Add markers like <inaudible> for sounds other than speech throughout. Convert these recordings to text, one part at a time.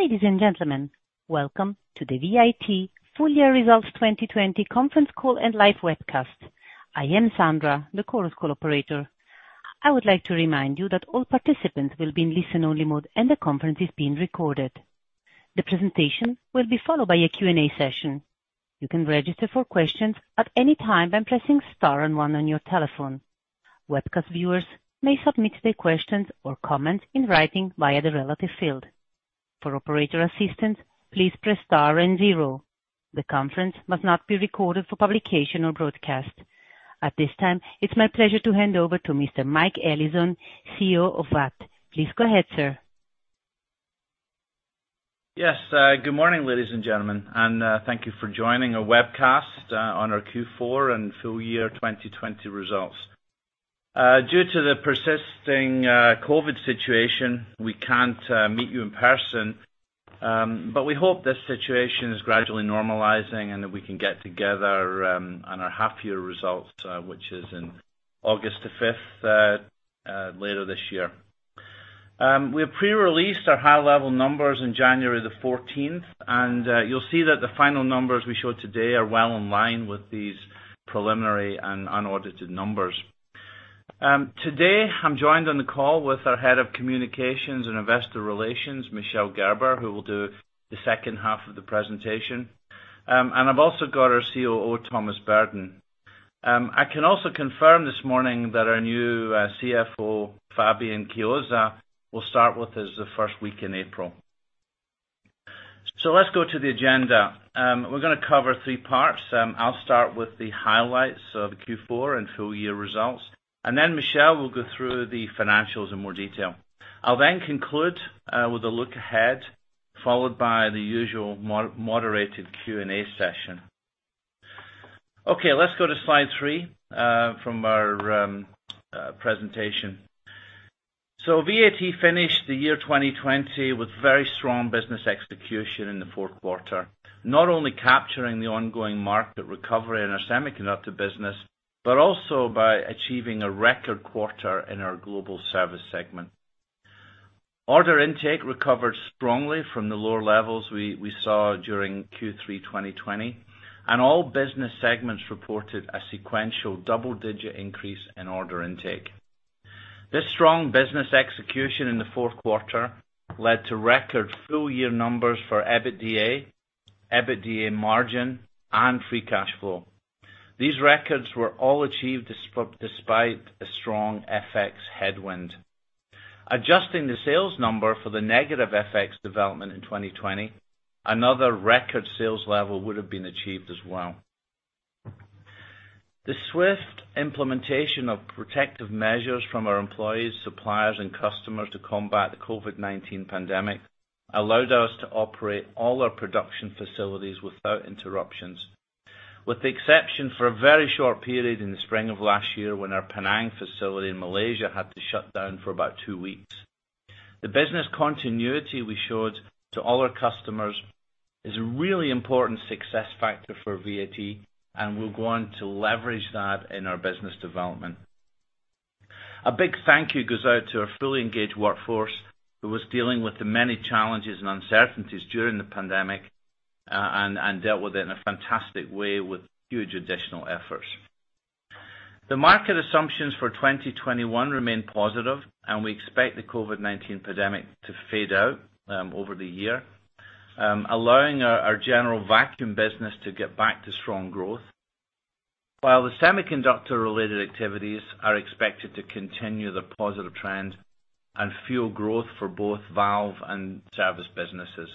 Ladies and gentlemen, welcome to the VAT Full Year Results 2020 Conference Call and Live Webcast. I am Sandra, the Chorus Call operator. I would like to remind you that all participants will be in listen-only mode, and the conference is being recorded. The presentation will be followed by a Q&A session. You can register for questions at any time by pressing star and one on your telephone. Webcast viewers may submit their questions or comments in writing via the relative field. For operator assistance, please press star and zero. The conference must not be recorded for publication or broadcast. At this time, it's my pleasure to hand over to Mr. Mike Allison, CEO of VAT. Please go ahead, sir. Yes. Good morning, ladies and gentlemen, and thank you for joining our webcast on our Q4 and full year 2020 results. Due to the persisting COVID-19 situation, we can't meet you in person. We hope this situation is gradually normalizing and that we can get together on our half-year results, which is in August 5th, later this year. We have pre-released our high-level numbers on January 14th, and you'll see that the final numbers we show today are well in line with these preliminary and unaudited numbers. Today, I'm joined on the call with our Head of Communications and Investor Relations, Michel Gerber, who will do the second half of the presentation. I've also got our COO, Thomas Berden. I can also confirm this morning that our new CFO, Fabian Chiozza, will start with us the first week in April. Let's go to the agenda. We're going to cover three parts. I'll start with the highlights of Q4 and full-year results. Michel will go through the financials in more detail. I'll conclude with a look ahead, followed by the usual moderated Q&A session. Let's go to slide three from our presentation. VAT finished the year 2020 with very strong business execution in the fourth quarter, not only capturing the ongoing market recovery in our semiconductor business, but also by achieving a record quarter in our Global Service segment. Order intake recovered strongly from the lower levels we saw during Q3 2020. All business segments reported a sequential double-digit increase in order intake. This strong business execution in the fourth quarter led to record full-year numbers for EBITDA margin, and free cash flow. These records were all achieved despite a strong FX headwind. Adjusting the sales number for the negative FX development in 2020, another record sales level would have been achieved as well. The swift implementation of protective measures from our employees, suppliers, and customers to combat the COVID-19 pandemic allowed us to operate all our production facilities without interruptions. With the exception for a very short period in the spring of last year when our Penang facility in Malaysia had to shut down for about two weeks. The business continuity we showed to all our customers is a really important success factor for VAT, and we'll go on to leverage that in our business development. A big thank you goes out to our fully engaged workforce, who was dealing with the many challenges and uncertainties during the pandemic, and dealt with it in a fantastic way with huge additional efforts. The market assumptions for 2021 remain positive, and we expect the COVID-19 pandemic to fade out over the year, allowing our general vacuum business to get back to strong growth, while the semiconductor-related activities are expected to continue the positive trend and fuel growth for both Valve and Service businesses.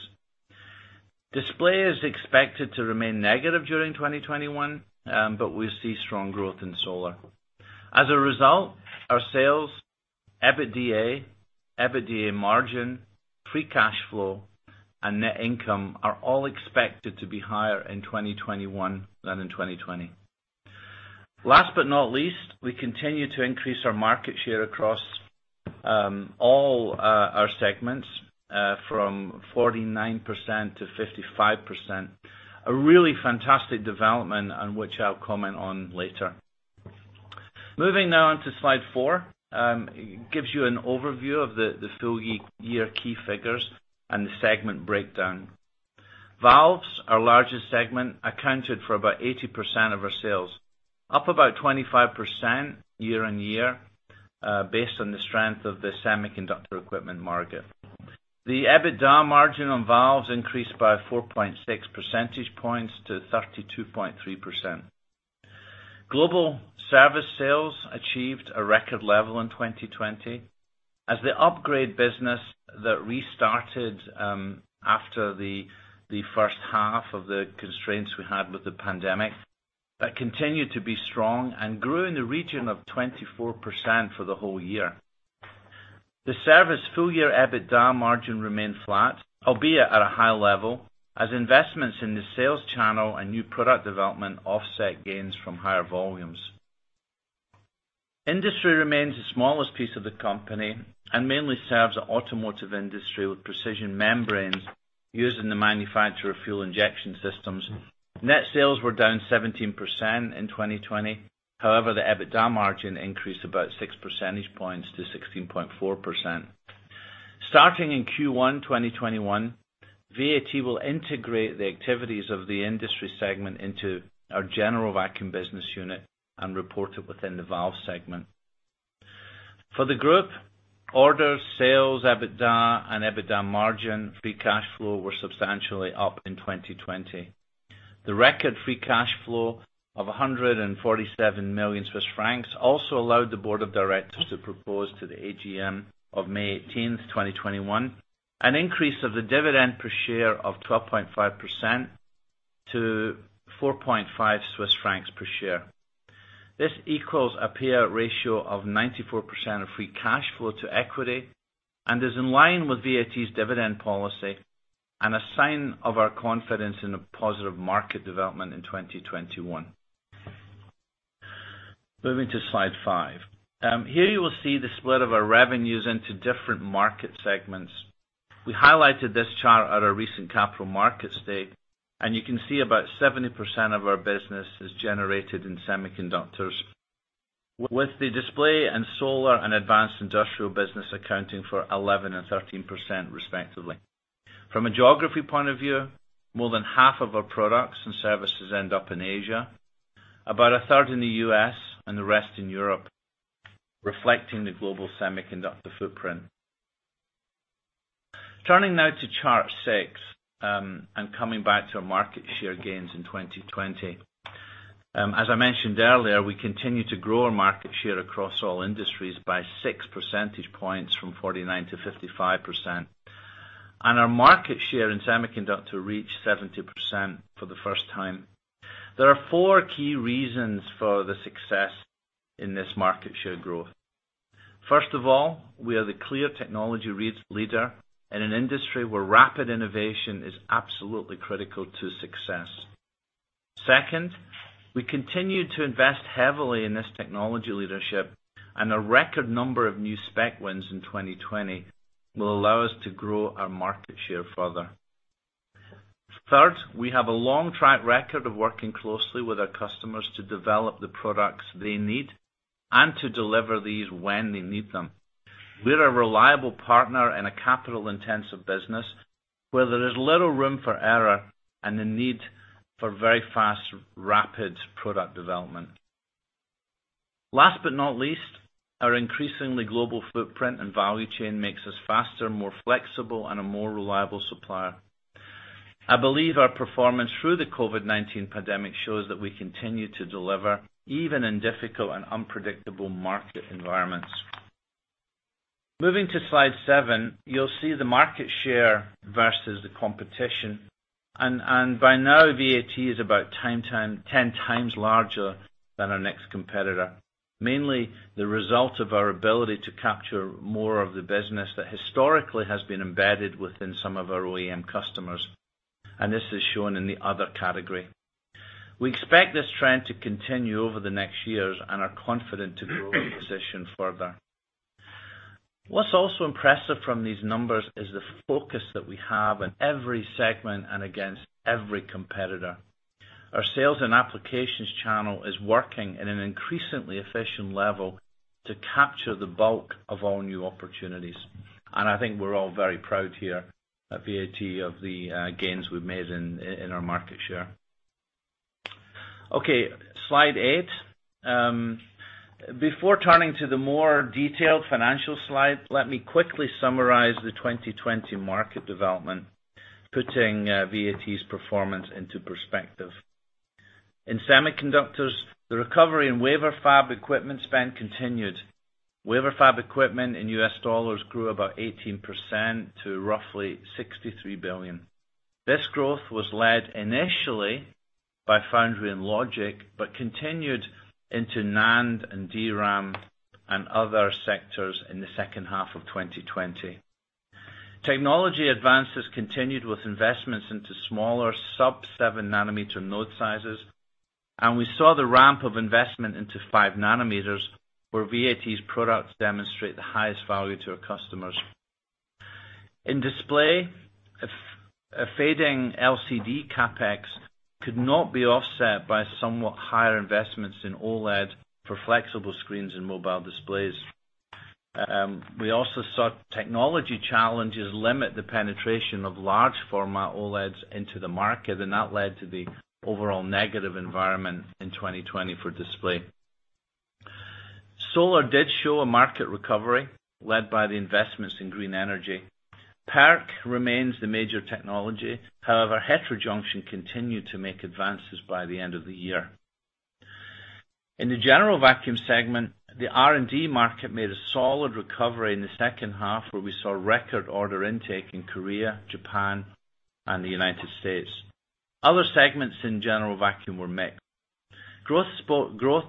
Display is expected to remain negative during 2021, but we see strong growth in solar. As a result, our sales, EBITDA margin, free cash flow, and net income are all expected to be higher in 2021 than in 2020. Last but not least, we continue to increase our market share across all our segments, from 49% to 55%. A really fantastic development, and which I'll comment on later. Moving now on to slide four, it gives you an overview of the full year key figures and the segment breakdown. Valves, our largest segment, accounted for about 80% of our sales, up about 25% year-on-year, based on the strength of the semiconductor equipment market. The EBITDA margin on valves increased by 4.6 percentage points to 32.3%. Global service sales achieved a record level in 2020 as the upgrade business that restarted after the first half of the constraints we had with the pandemic, continued to be strong and grew in the region of 24% for the whole year. The service full year EBITDA margin remained flat, albeit at a high level, as investments in the sales channel and new product development offset gains from higher volumes. Industry remains the smallest piece of the company and mainly serves the automotive industry with precision membranes used in the manufacture of fuel injection systems. Net sales were down 17% in 2020. However, the EBITDA margin increased about six percentage points to 16.4%. Starting in Q1 2021, VAT will integrate the activities of the industry segment into our general vacuum business unit and report it within the valve segment. For the group, orders, sales, EBITDA, and EBITDA margin, free cash flow were substantially up in 2020. The record free cash flow of 147 million Swiss francs also allowed the board of directors to propose to the AGM of May 18th, 2021, an increase of the dividend per share of 12.5% to 4.5 Swiss francs per share. This equals a payout ratio of 94% of free cash flow to equity and is in line with VAT's dividend policy and a sign of our confidence in a positive market development in 2021. Moving to slide five. Here you will see the split of our revenues into different market segments. We highlighted this chart at our recent Capital Markets Day, you can see about 70% of our business is generated in semiconductors, with the display and solar and advanced industrial business accounting for 11% and 13%, respectively. From a geography point of view, more than half of our products and services end up in Asia, about a third in the U.S., the rest in Europe, reflecting the global semiconductor footprint. Turning now to chart six, coming back to our market share gains in 2020. As I mentioned earlier, we continue to grow our market share across all industries by 6 percentage points from 49% to 55%. Our market share in semiconductor reached 70% for the first time. There are four key reasons for the success in this market share growth. First of all, we are the clear technology leader in an industry where rapid innovation is absolutely critical to success. Second, we continue to invest heavily in this technology leadership, and a record number of new spec wins in 2020 will allow us to grow our market share further. Third, we have a long track record of working closely with our customers to develop the products they need and to deliver these when they need them. We're a reliable partner in a capital-intensive business where there is little room for error and the need for very fast, rapid product development. Last but not least, our increasingly global footprint and value chain makes us faster, more flexible, and a more reliable supplier. I believe our performance through the COVID-19 pandemic shows that we continue to deliver, even in difficult and unpredictable market environments. Moving to slide seven, you'll see the market share versus the competition. By now, VAT is about 10x larger than our next competitor, mainly the result of our ability to capture more of the business that historically has been embedded within some of our OEM customers. This is shown in the other category. We expect this trend to continue over the next years and are confident to grow our position further. What's also impressive from these numbers is the focus that we have in every segment and against every competitor. Our sales and applications channel is working in an increasingly efficient level to capture the bulk of all new opportunities. I think we're all very proud here at VAT of the gains we've made in our market share. Okay, slide eight. Before turning to the more detailed financial slide, let me quickly summarize the 2020 market development, putting VAT's performance into perspective. In semiconductors, the recovery in wafer fab equipment spend continued. Wafer fab equipment in US dollars grew about 18% to roughly $63 billion. This growth was led initially by foundry and logic, but continued into NAND and DRAM and other sectors in the second half of 2020. Technology advances continued with investments into smaller sub seven-nanometer node sizes, and we saw the ramp of investment into five nanometers where VAT's products demonstrate the highest value to our customers. In display, a fading LCD CapEx could not be offset by somewhat higher investments in OLED for flexible screens and mobile displays. We also saw technology challenges limit the penetration of large format OLEDs into the market, and that led to the overall negative environment in 2020 for display. Solar did show a market recovery led by the investments in green energy. PERC remains the major technology. However, heterojunction continued to make advances by the end of the year. In the general vacuum segment, the R&D market made a solid recovery in the second half, where we saw record order intake in Korea, Japan, and the United States. Other segments in general vacuum were mixed. Growth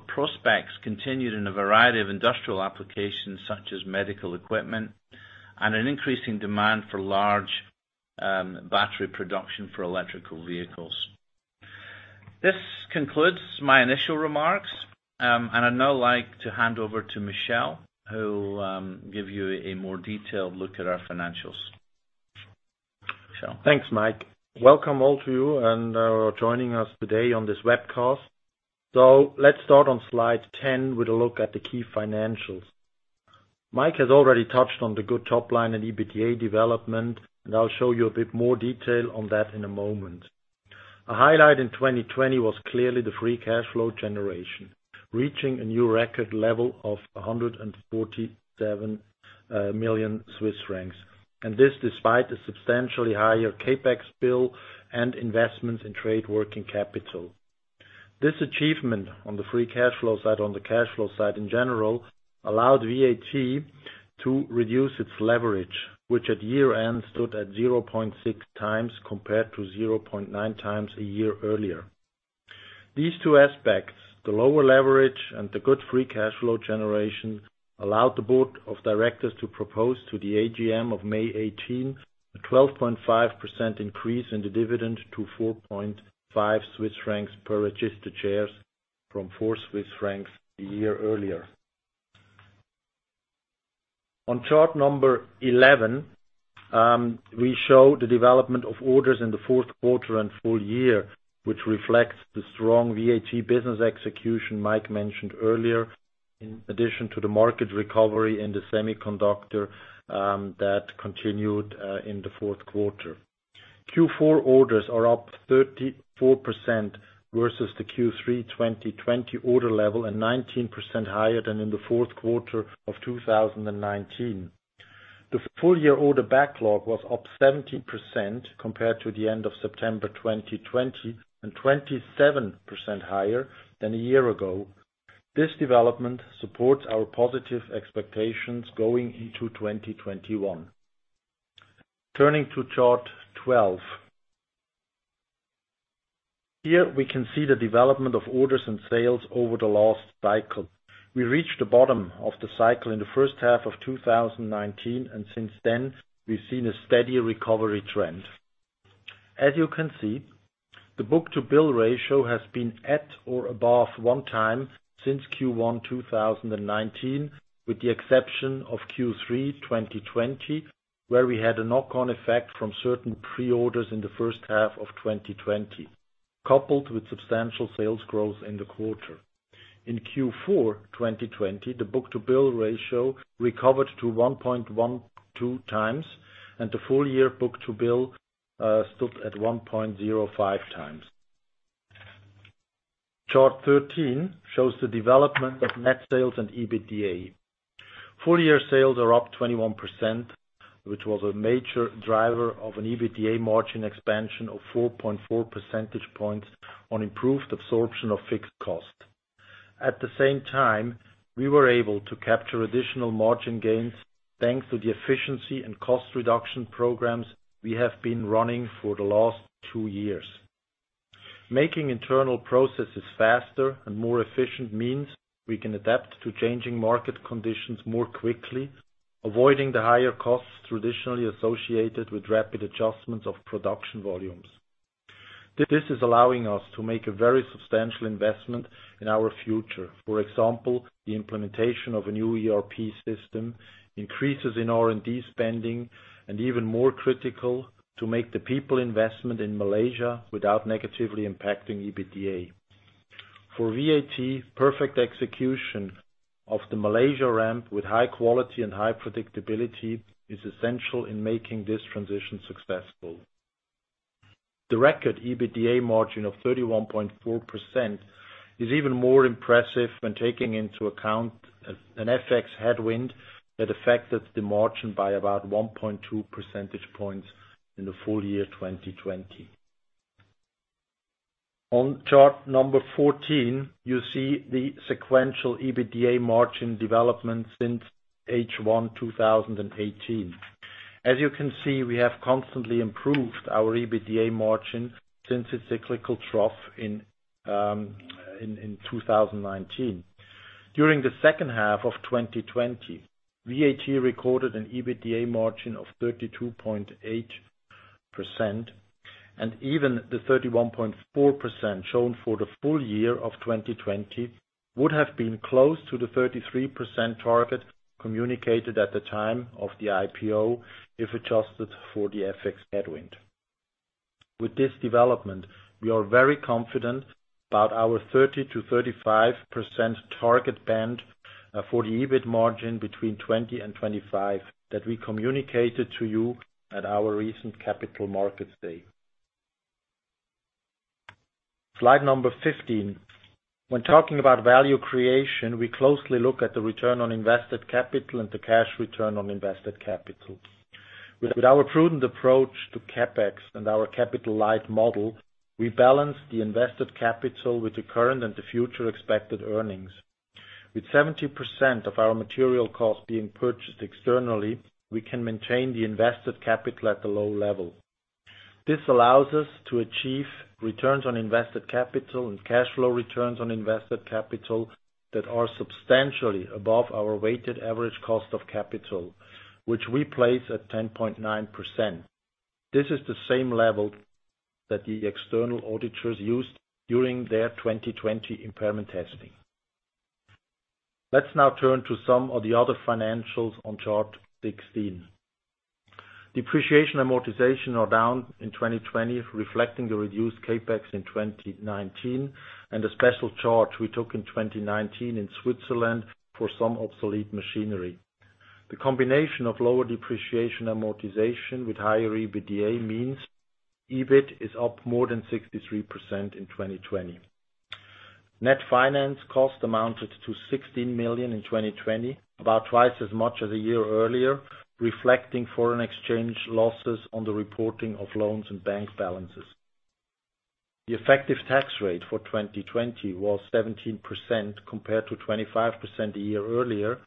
prospects continued in a variety of industrial applications such as medical equipment and an increasing demand for large battery production for electrical vehicles. This concludes my initial remarks, and I'd now like to hand over to Michel, who will give you a more detailed look at our financials. Thanks, Mike. Welcome all to you and joining us today on this webcast. Let's start on slide 10 with a look at the key financials. Mike has already touched on the good top line and EBITDA development, and I'll show you a bit more detail on that in a moment. A highlight in 2020 was clearly the free cash flow generation, reaching a new record level of 147 million Swiss francs, and this despite a substantially higher CapEx bill and investments in trade working capital. This achievement on the free cash flow side, on the cash flow side in general, allowed VAT to reduce its leverage, which at year-end stood at 0.6x compared to 0.9x a year earlier. These two aspects, the lower leverage and the good free cash flow generation, allowed the board of directors to propose to the AGM of May 18th, a 12.5% increase in the dividend to 4.5 Swiss francs per registered shares from 4 Swiss francs a year earlier. On chart 11, we show the development of orders in the fourth quarter and full year, which reflects the strong VAT business execution Mike mentioned earlier, in addition to the market recovery in the semiconductor that continued in the fourth quarter. Q4 orders are up 34% versus the Q3 2020 order level, and 19% higher than in the fourth quarter of 2019. The full-year order backlog was up 17% compared to the end of September 2020 and 27% higher than a year ago. This development supports our positive expectations going into 2021. Turning to chart 12. Here we can see the development of orders and sales over the last cycle. We reached the bottom of the cycle in the first half of 2019, and since then, we've seen a steady recovery trend. As you can see, the book-to-bill ratio has been at or above one time since Q1 2019, with the exception of Q3 2020, where we had a knock-on effect from certain pre-orders in the first half of 2020, coupled with substantial sales growth in the quarter. In Q4 2020, the book-to-bill ratio recovered to 1.12x, and the full-year book-to-bill stood at 1.05x. Chart 13 shows the development of net sales and EBITDA. Full-year sales are up 21%, which was a major driver of an EBITDA margin expansion of 4.4 percentage points on improved absorption of fixed cost. At the same time, we were able to capture additional margin gains thanks to the efficiency and cost reduction programs we have been running for the last two years. Making internal processes faster and more efficient means we can adapt to changing market conditions more quickly, avoiding the higher costs traditionally associated with rapid adjustments of production volumes. This is allowing us to make a very substantial investment in our future. For example, the implementation of a new ERP system, increases in R&D spending, and even more critical to make the people investment in Malaysia without negatively impacting EBITDA. For VAT, perfect execution of the Malaysia ramp with high quality and high predictability is essential in making this transition successful. The record EBITDA margin of 31.4% is even more impressive when taking into account an FX headwind that affected the margin by about 1.2 percentage points in the full year 2020. On chart number 14, you see the sequential EBITDA margin development since H1 2018. As you can see, we have constantly improved our EBITDA margin since its cyclical trough in 2019. During the second half of 2020, VAT recorded an EBITDA margin of 32.8%, and even the 31.4% shown for the full year of 2020 would have been close to the 33% target communicated at the time of the IPO, if adjusted for the FX headwind. With this development, we are very confident about our 30%-35% target band for the EBIT margin between 2020 and 2025 that we communicated to you at our recent Capital Markets Day. Slide number 15. When talking about value creation, we closely look at the return on invested capital and the cash return on invested capital. With our prudent approach to CapEx and our capital-light model, we balance the invested capital with the current and the future expected earnings. With 70% of our material cost being purchased externally, we can maintain the invested capital at a low level. This allows us to achieve returns on invested capital and cash flow returns on invested capital that are substantially above our weighted average cost of capital, which we place at 10.9%. This is the same level that the external auditors used during their 2020 impairment testing. Let's now turn to some of the other financials on Chart 16. Depreciation amortization are down in 2020, reflecting the reduced CapEx in 2019 and a special charge we took in 2019 in Switzerland for some obsolete machinery. The combination of lower depreciation amortization with higher EBITDA means EBIT is up more than 63% in 2020. Net finance cost amounted to 16 million in 2020, about twice as much as a year earlier, reflecting foreign exchange losses on the reporting of loans and bank balances. The effective tax rate for 2020 was 17%, compared to 25% a year earlier,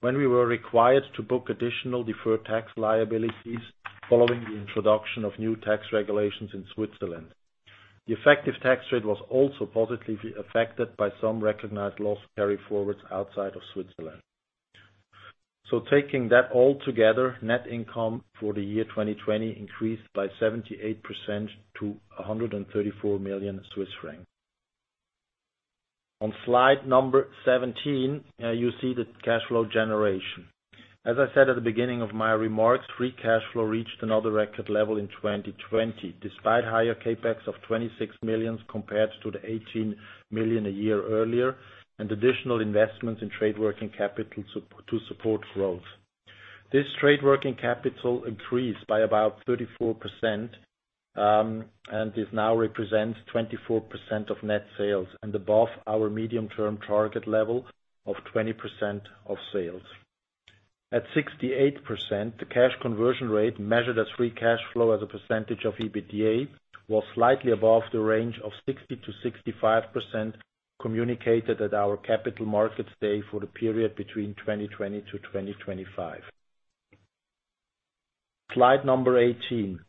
when we were required to book additional deferred tax liabilities following the introduction of new tax regulations in Switzerland. The effective tax rate was also positively affected by some recognized loss carryforwards outside of Switzerland. Taking that all together, net income for the year 2020 increased by 78% to 134 million Swiss francs. On slide number 17, you see the cash flow generation. As I said at the beginning of my remarks, free cash flow reached another record level in 2020, despite higher CapEx of 26 million compared to the 18 million a year earlier, and additional investments in trade working capital to support growth. This trade working capital increased by about 34%, and this now represents 24% of net sales and above our medium-term target level of 20% of sales. At 68%, the cash conversion rate measured as free cash flow as a percentage of EBITDA, was slightly above the range of 60%-65% communicated at our Capital Markets Day for the period between 2020-2025. Slide number 18.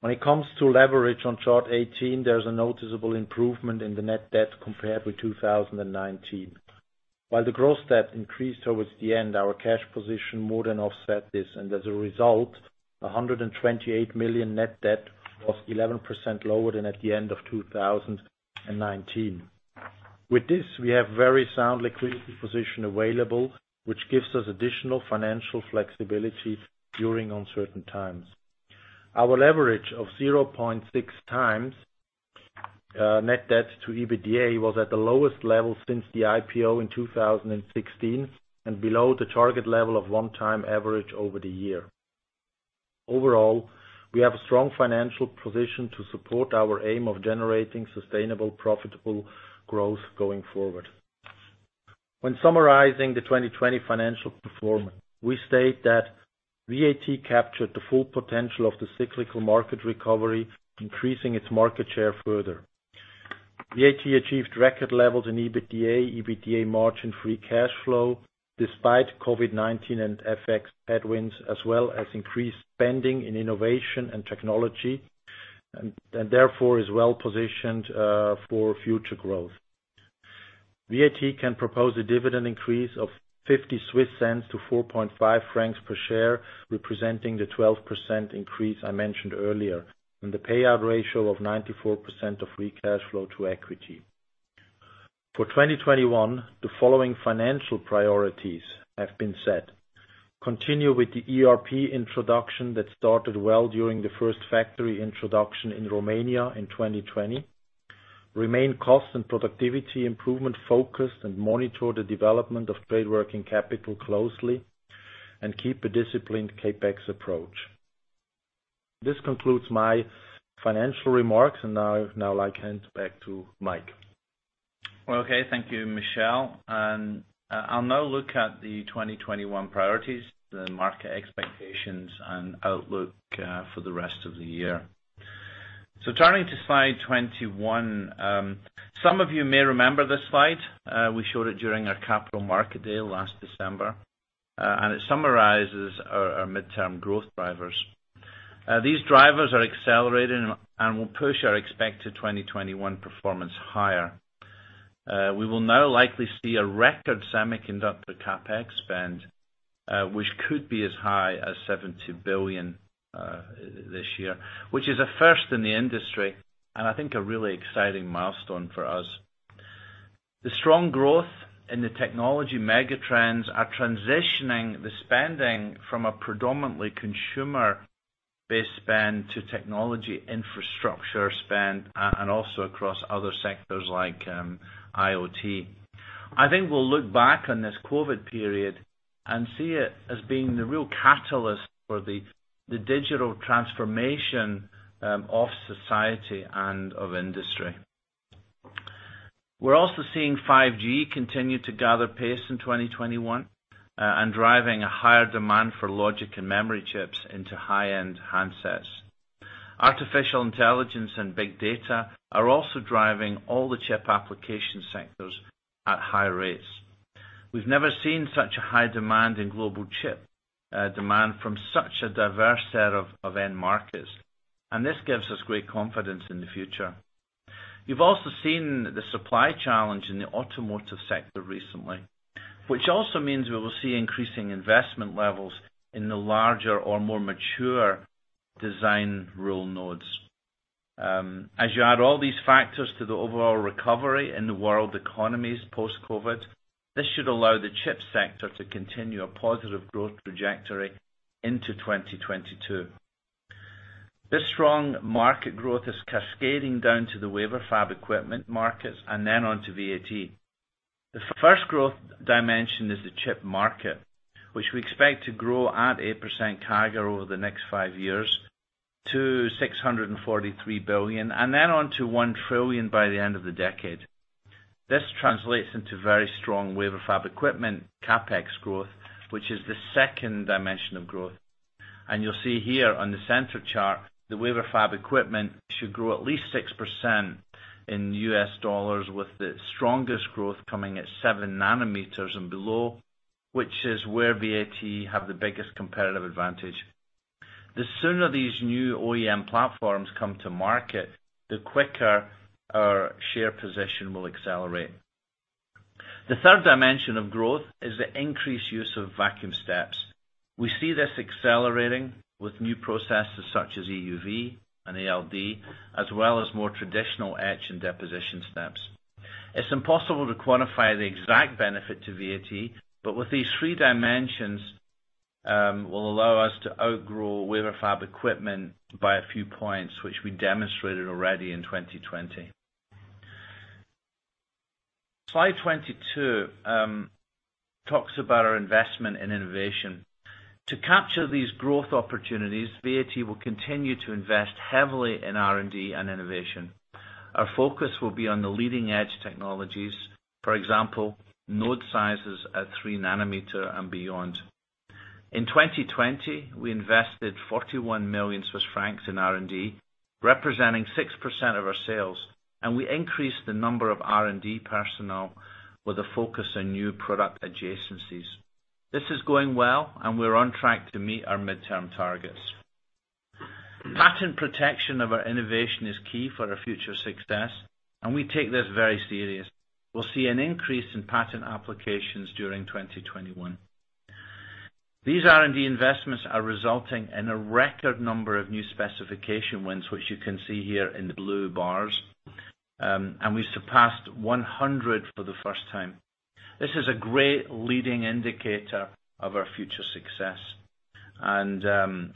When it comes to leverage on Chart 18, there's a noticeable improvement in the net debt compared with 2019. While the gross debt increased towards the end, our cash position more than offset this, and as a result, 128 million net debt was 11% lower than at the end of 2019. With this, we have very sound liquidity position available, which gives us additional financial flexibility during uncertain times. Our leverage of 0.6x net debt to EBITDA was at the lowest level since the IPO in 2016, and below the target level of one time average over the year. Overall, we have a strong financial position to support our aim of generating sustainable, profitable growth going forward. When summarizing the 2020 financial performance, we state that VAT captured the full potential of the cyclical market recovery, increasing its market share further. VAT achieved record levels in EBITDA margin, free cash flow, despite COVID-19 and FX headwinds, as well as increased spending in innovation and technology, and therefore is well positioned for future growth. VAT can propose a dividend increase of 0.50 to 4.5 francs per share, representing the 12% increase I mentioned earlier, and the payout ratio of 94% of free cash flow to equity. For 2021, the following financial priorities have been set. Continue with the ERP introduction that started well during the first factory introduction in Romania in 2020. Remain cost and productivity improvement-focused and monitor the development of trade working capital closely, and keep a disciplined CapEx approach. This concludes my financial remarks, and now I'd like to hand back to Mike. Okay, thank you, Michel. I'll now look at the 2021 priorities, the market expectations and outlook for the rest of the year. Turning to Slide 21. Some of you may remember this slide. We showed it during our Capital Markets Day last December. It summarizes our midterm growth drivers. These drivers are accelerating and will push our expected 2021 performance higher. We will now likely see a record semiconductor CapEx spend, which could be as high as 72 billion this year, which is a first in the industry, and I think a really exciting milestone for us. The strong growth in the technology megatrends are transitioning the spending from a predominantly consumer-based spend to technology infrastructure spend, and also across other sectors like IoT. I think we'll look back on this COVID period and see it as being the real catalyst for the digital transformation of society and of industry. We're also seeing 5G continue to gather pace in 2021, and driving a higher demand for logic and memory chips into high-end handsets. Artificial intelligence and big data are also driving all the chip application sectors at high rates. We've never seen such a high demand in global chip demand from such a diverse set of end markets, and this gives us great confidence in the future. You've also seen the supply challenge in the automotive sector recently, which also means we will see increasing investment levels in the larger or more mature design rule nodes. As you add all these factors to the overall recovery in the world economies post-COVID, this should allow the chip sector to continue a positive growth trajectory into 2022. This strong market growth is cascading down to the wafer fab equipment markets and then onto VAT. The first growth dimension is the chip market, which we expect to grow at 8% CAGR over the next five years to 643 billion, and then on to 1 trillion by the end of the decade. This translates into very strong wafer fab equipment CapEx growth, which is the second dimension of growth. You'll see here on the center chart, the wafer fab equipment should grow at least 6% in US dollars, with the strongest growth coming at seven nanometers and below, which is where VAT have the biggest competitive advantage. The sooner these new OEM platforms come to market, the quicker our share position will accelerate. The third dimension of growth is the increased use of vacuum steps. We see this accelerating with new processes such as EUV and ALD, as well as more traditional etch and deposition steps. It's impossible to quantify the exact benefit to VAT, but with these three dimensions, will allow us to outgrow wafer fab equipment by a few points, which we demonstrated already in 2020. Slide 22 talks about our investment in innovation. To capture these growth opportunities, VAT will continue to invest heavily in R&D and innovation. Our focus will be on the leading-edge technologies. For example, node sizes at three nanometer and beyond. In 2020, we invested 41 million Swiss francs in R&D, representing 6% of our sales, and we increased the number of R&D personnel with a focus on new product adjacencies. This is going well and we're on track to meet our midterm targets. Patent protection of our innovation is key for our future success, and we take this very serious. We'll see an increase in patent applications during 2021. These R&D investments are resulting in a record number of new specification wins, which you can see here in the blue bars. We surpassed 100 for the first time. This is a great leading indicator of our future success.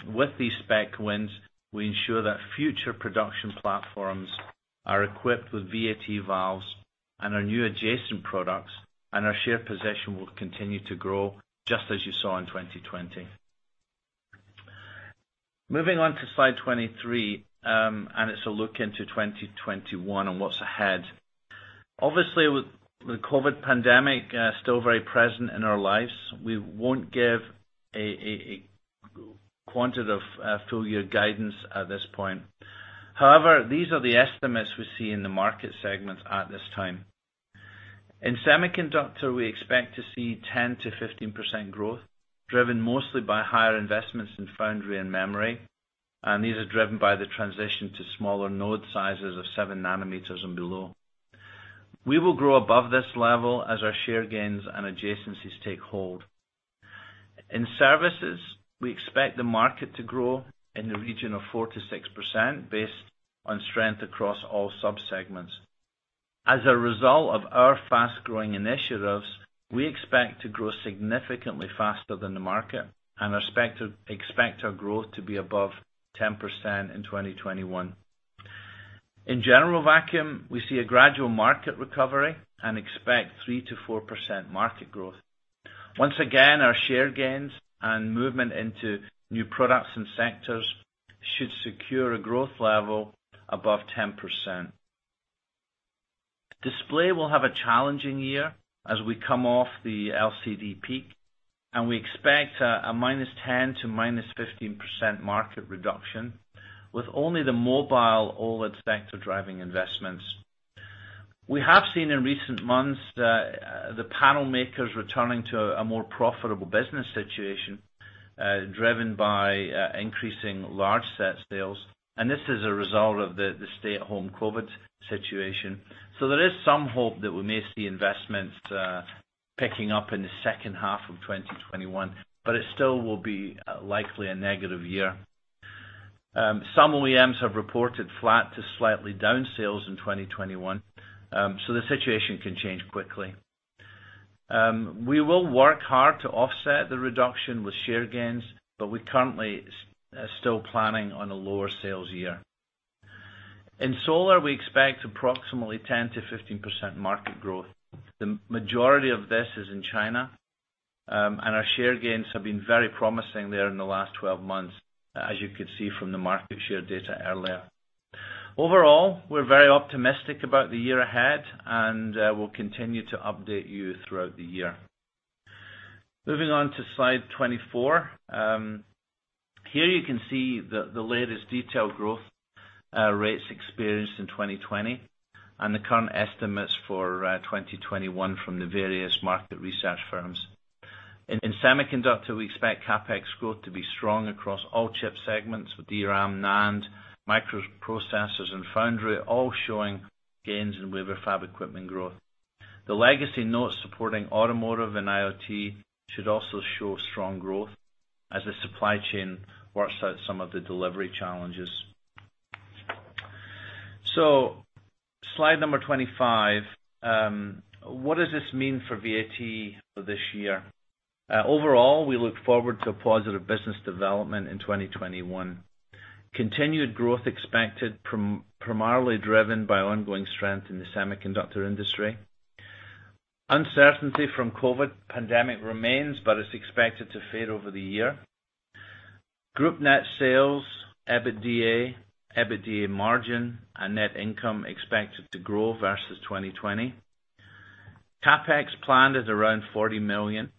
With these spec wins, we ensure that future production platforms are equipped with VAT valves and our new adjacent products and our share position will continue to grow, just as you saw in 2020. Moving on to slide 23, and it's a look into 2021 and what's ahead. Obviously, with the COVID pandemic still very present in our lives, we won't give a quantitative full-year guidance at this point. However, these are the estimates we see in the market segments at this time. In semiconductor, we expect to see 10%-15% growth, driven mostly by higher investments in foundry and memory, and these are driven by the transition to smaller node sizes of seven nanometers and below. We will grow above this level as our share gains and adjacencies take hold. In services, we expect the market to grow in the region of 4%-6%, based on strength across all subsegments. As a result of our fast-growing initiatives, we expect to grow significantly faster than the market and expect our growth to be above 10% in 2021. In general vacuum, we see a gradual market recovery and expect 3%-4% market growth. Once again, our share gains and movement into new products and sectors should secure a growth level above 10%. Display will have a challenging year as we come off the LCD peak. We expect a -10% to -15% market reduction, with only the mobile OLED sector driving investments. We have seen in recent months the panel makers returning to a more profitable business situation, driven by increasing large set sales. This is a result of the stay-at-home COVID situation. There is some hope that we may see investments picking up in the second half of 2021. It still will be likely a negative year. Some OEMs have reported flat to slightly down sales in 2021. The situation can change quickly. We will work hard to offset the reduction with share gains. We currently are still planning on a lower sales year. In solar, we expect approximately 10%-15% market growth. The majority of this is in China, and our share gains have been very promising there in the last 12 months, as you can see from the market share data earlier. Overall, we're very optimistic about the year ahead, and we'll continue to update you throughout the year. Moving on to slide 24. Here you can see the latest detailed growth rates experienced in 2020 and the current estimates for 2021 from the various market research firms. In semiconductor, we expect CapEx growth to be strong across all chip segments with DRAM, NAND, microprocessors, and foundry all showing gains in wafer fab equipment growth. The legacy nodes supporting automotive and IoT should also show strong growth as the supply chain works out some of the delivery challenges. Slide number 25. What does this mean for VAT this year? Overall, we look forward to a positive business development in 2021. Continued growth expected, primarily driven by ongoing strength in the semiconductor industry. Uncertainty from COVID-19 pandemic remains, but is expected to fade over the year. Group net sales, EBITDA margin, and net income expected to grow versus 2020. CapEx planned at around 40 million.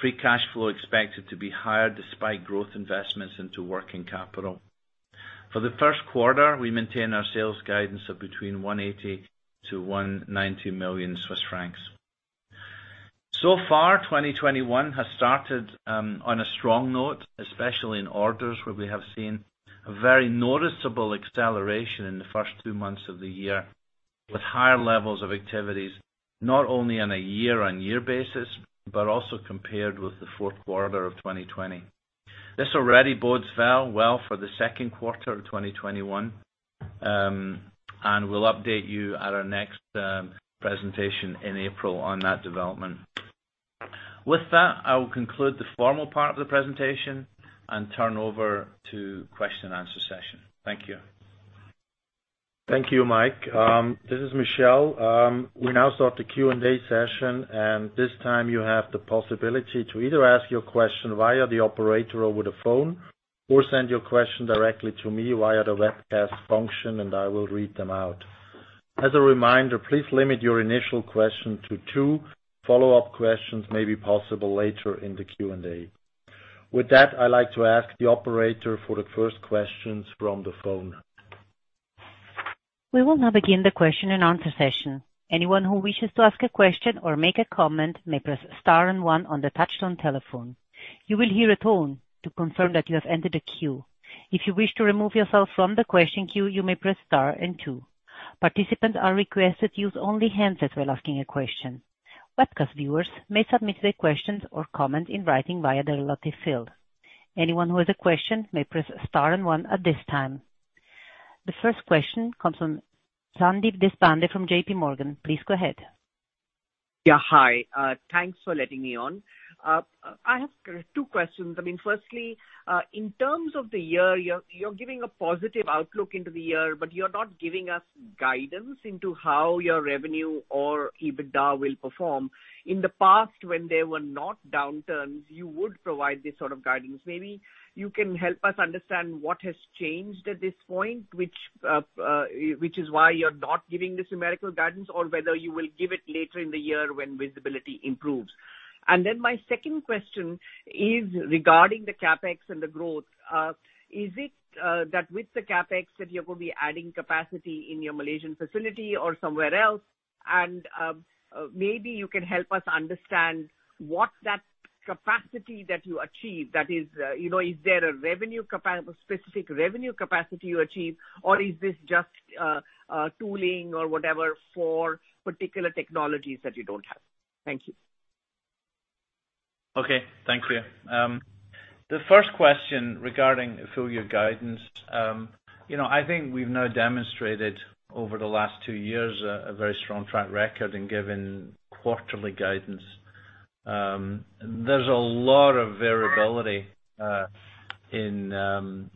Free cash flow expected to be higher despite growth investments into working capital. For the first quarter, we maintain our sales guidance of between 180 million-190 million Swiss francs. Far, 2021 has started on a strong note, especially in orders, where we have seen a very noticeable acceleration in the first two months of the year, with higher levels of activities, not only on a year-on-year basis, but also compared with the fourth quarter of 2020. This already bodes well for the second quarter of 2021, and we'll update you at our next presentation in April on that development. With that, I will conclude the formal part of the presentation and turn over to question and answer session. Thank you. Thank you, Mike. This is Michel. We now start the Q&A session. This time you have the possibility to either ask your question via the operator over the phone or send your question directly to me via the webcast function, and I will read them out. As a reminder, please limit your initial question to two. Follow-up questions may be possible later in the Q&A. With that, I'd like to ask the operator for the first questions from the phone. We will now begin the question-and-answer session. Anyone who wishes to ask a question or make a comment you may press star and one on the touchtone telephone. You will hear a tone to confirm that you entered the queue. If you wish to remove yourself from the question queue you may press star and two. Participants are requested to use only handset while asking a question. Webcast viewers may submit their questions or comments in. <inaudible> Anyone who has a question may press star and one at this time. The first question comes from Sandeep Deshpande from JPMorgan. Please go ahead. Yeah. Hi. Thanks for letting me on. I have two questions. Firstly, in terms of the year, you're giving a positive outlook into the year, but you're not giving us guidance into how your revenue or EBITDA will perform. In the past, when there were not downturns, you would provide this sort of guidance. Maybe you can help us understand what has changed at this point, which is why you're not giving this numerical guidance, or whether you will give it later in the year when visibility improves. My second question is regarding the CapEx and the growth. Is it that with the CapEx, that you're going to be adding capacity in your Malaysian facility or somewhere else? Maybe you can help us understand what that capacity that you achieve, is there a specific revenue capacity you achieve, or is this just tooling or whatever for particular technologies that you don't have? Thank you. Okay. Thank you. The first question regarding full-year guidance. I think we've now demonstrated over the last two years a very strong track record in giving quarterly guidance. There's a lot of variability in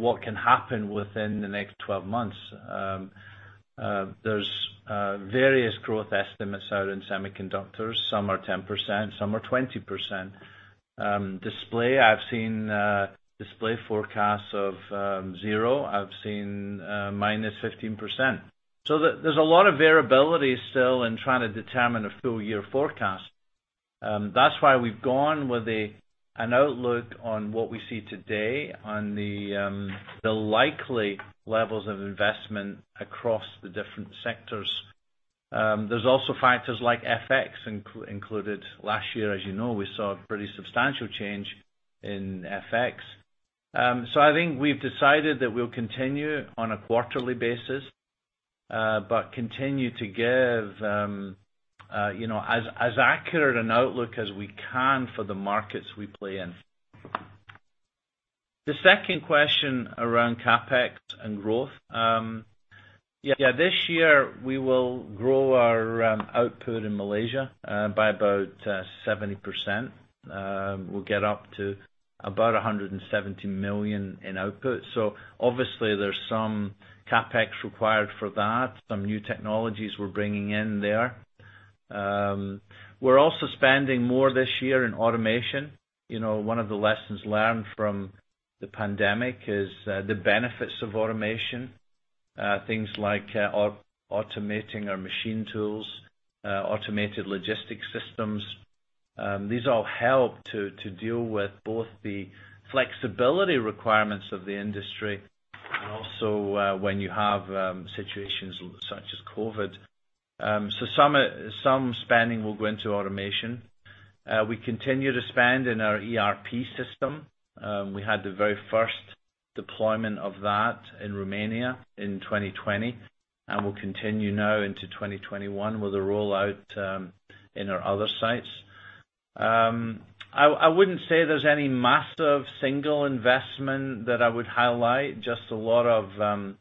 what can happen within the next 12 months. There's various growth estimates out in semiconductors. Some are 10%, some are 20%. Display, I've seen display forecasts of zero. I've seen -15%. There's a lot of variability still in trying to determine a full-year forecast. That's why we've gone with an outlook on what we see today on the likely levels of investment across the different sectors. There's also factors like FX included. Last year, as you know, we saw a pretty substantial change in FX. I think we've decided that we'll continue on a quarterly basis, but continue to give as accurate an outlook as we can for the markets we play in. The second question around CapEx and growth. Yeah, this year, we will grow our output in Malaysia by about 70%. We'll get up to about 170 million in output. Obviously there's some CapEx required for that, some new technologies we're bringing in there. We're also spending more this year in automation. One of the lessons learned from the pandemic is the benefits of automation. Things like automating our machine tools, automated logistics systems. These all help to deal with both the flexibility requirements of the industry and also when you have situations such as COVID. Some spending will go into automation. We continue to spend in our ERP system. We had the very first deployment of that in Romania in 2020, and we'll continue now into 2021 with the rollout in our other sites. I wouldn't say there's any massive single investment that I would highlight, just a lot of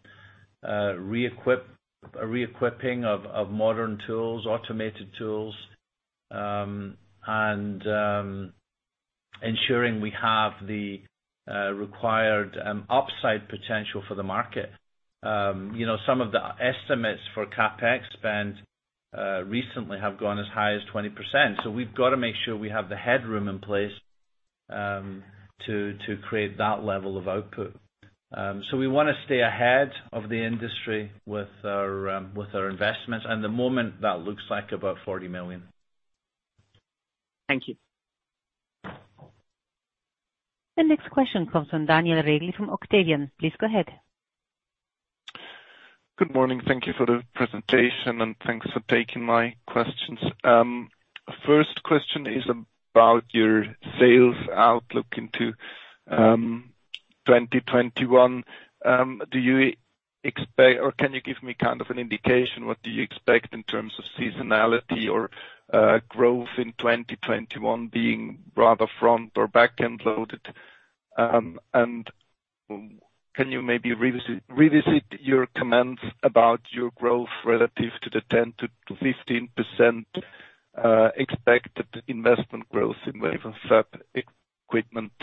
re-equipping of modern tools, automated tools, and ensuring we have the required upside potential for the market. Some of the estimates for CapEx spend recently have gone as high as 20%, so we've got to make sure we have the headroom in place to create that level of output. We want to stay ahead of the industry with our investments. At the moment, that looks like about 40 million. Thank you. The next question comes from Daniel Regli from Octavian. Please go ahead. Good morning. Thank you for the presentation, and thanks for taking my questions. First question is about your sales outlook into 2021. Do you expect, or can you give me kind of an indication, what do you expect in terms of seasonality or growth in 2021 being rather front or back-end loaded? Can you maybe revisit your comments about your growth relative to the 10%-15% expected investment growth in wafer fab equipment?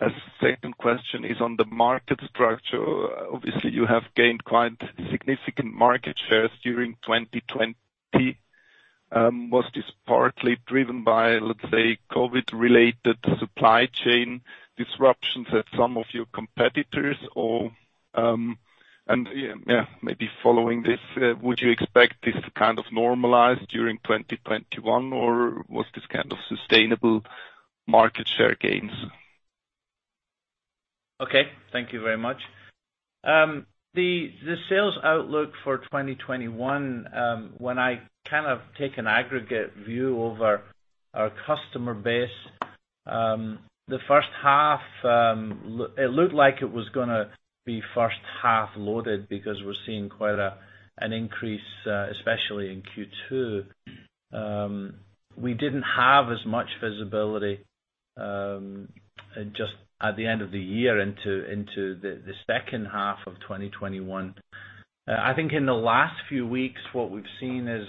A second question is on the market structure. Obviously, you have gained quite significant market shares during 2020. Was this partly driven by, let's say, COVID related supply chain disruptions at some of your competitors, or yeah, maybe following this, would you expect this to kind of normalize during 2021? Was this kind of sustainable market share gains? Thank you very much. The sales outlook for 2021, when I kind of take an aggregate view over our customer base, the first half, it looked like it was going to be first half loaded because we're seeing quite an increase, especially in Q2. We didn't have as much visibility just at the end of the year into the second half of 2021. I think in the last few weeks, what we've seen is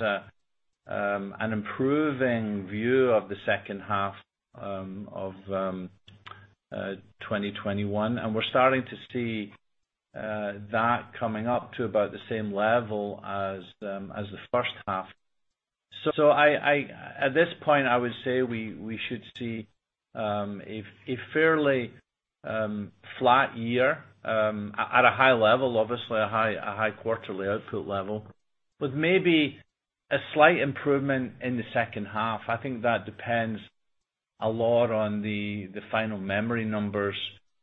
an improving view of the second half of 2021, and we're starting to see that coming up to about the same level as the first half. At this point, I would say we should see a fairly flat year at a high level, obviously a high quarterly output level, but maybe a slight improvement in the second half. I think that depends a lot on the final memory numbers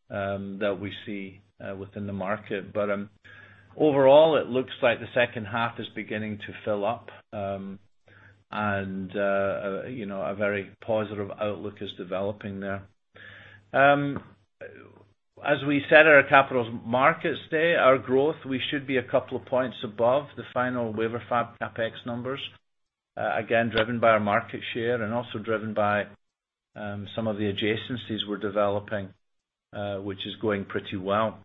that we see within the market. Overall, it looks like the second half is beginning to fill up, and a very positive outlook is developing there. As we said at our Capital Markets Day, our growth, we should be a couple of points above the final wafer fab CapEx numbers, again, driven by our market share and also driven by some of the adjacencies we're developing, which is going pretty well.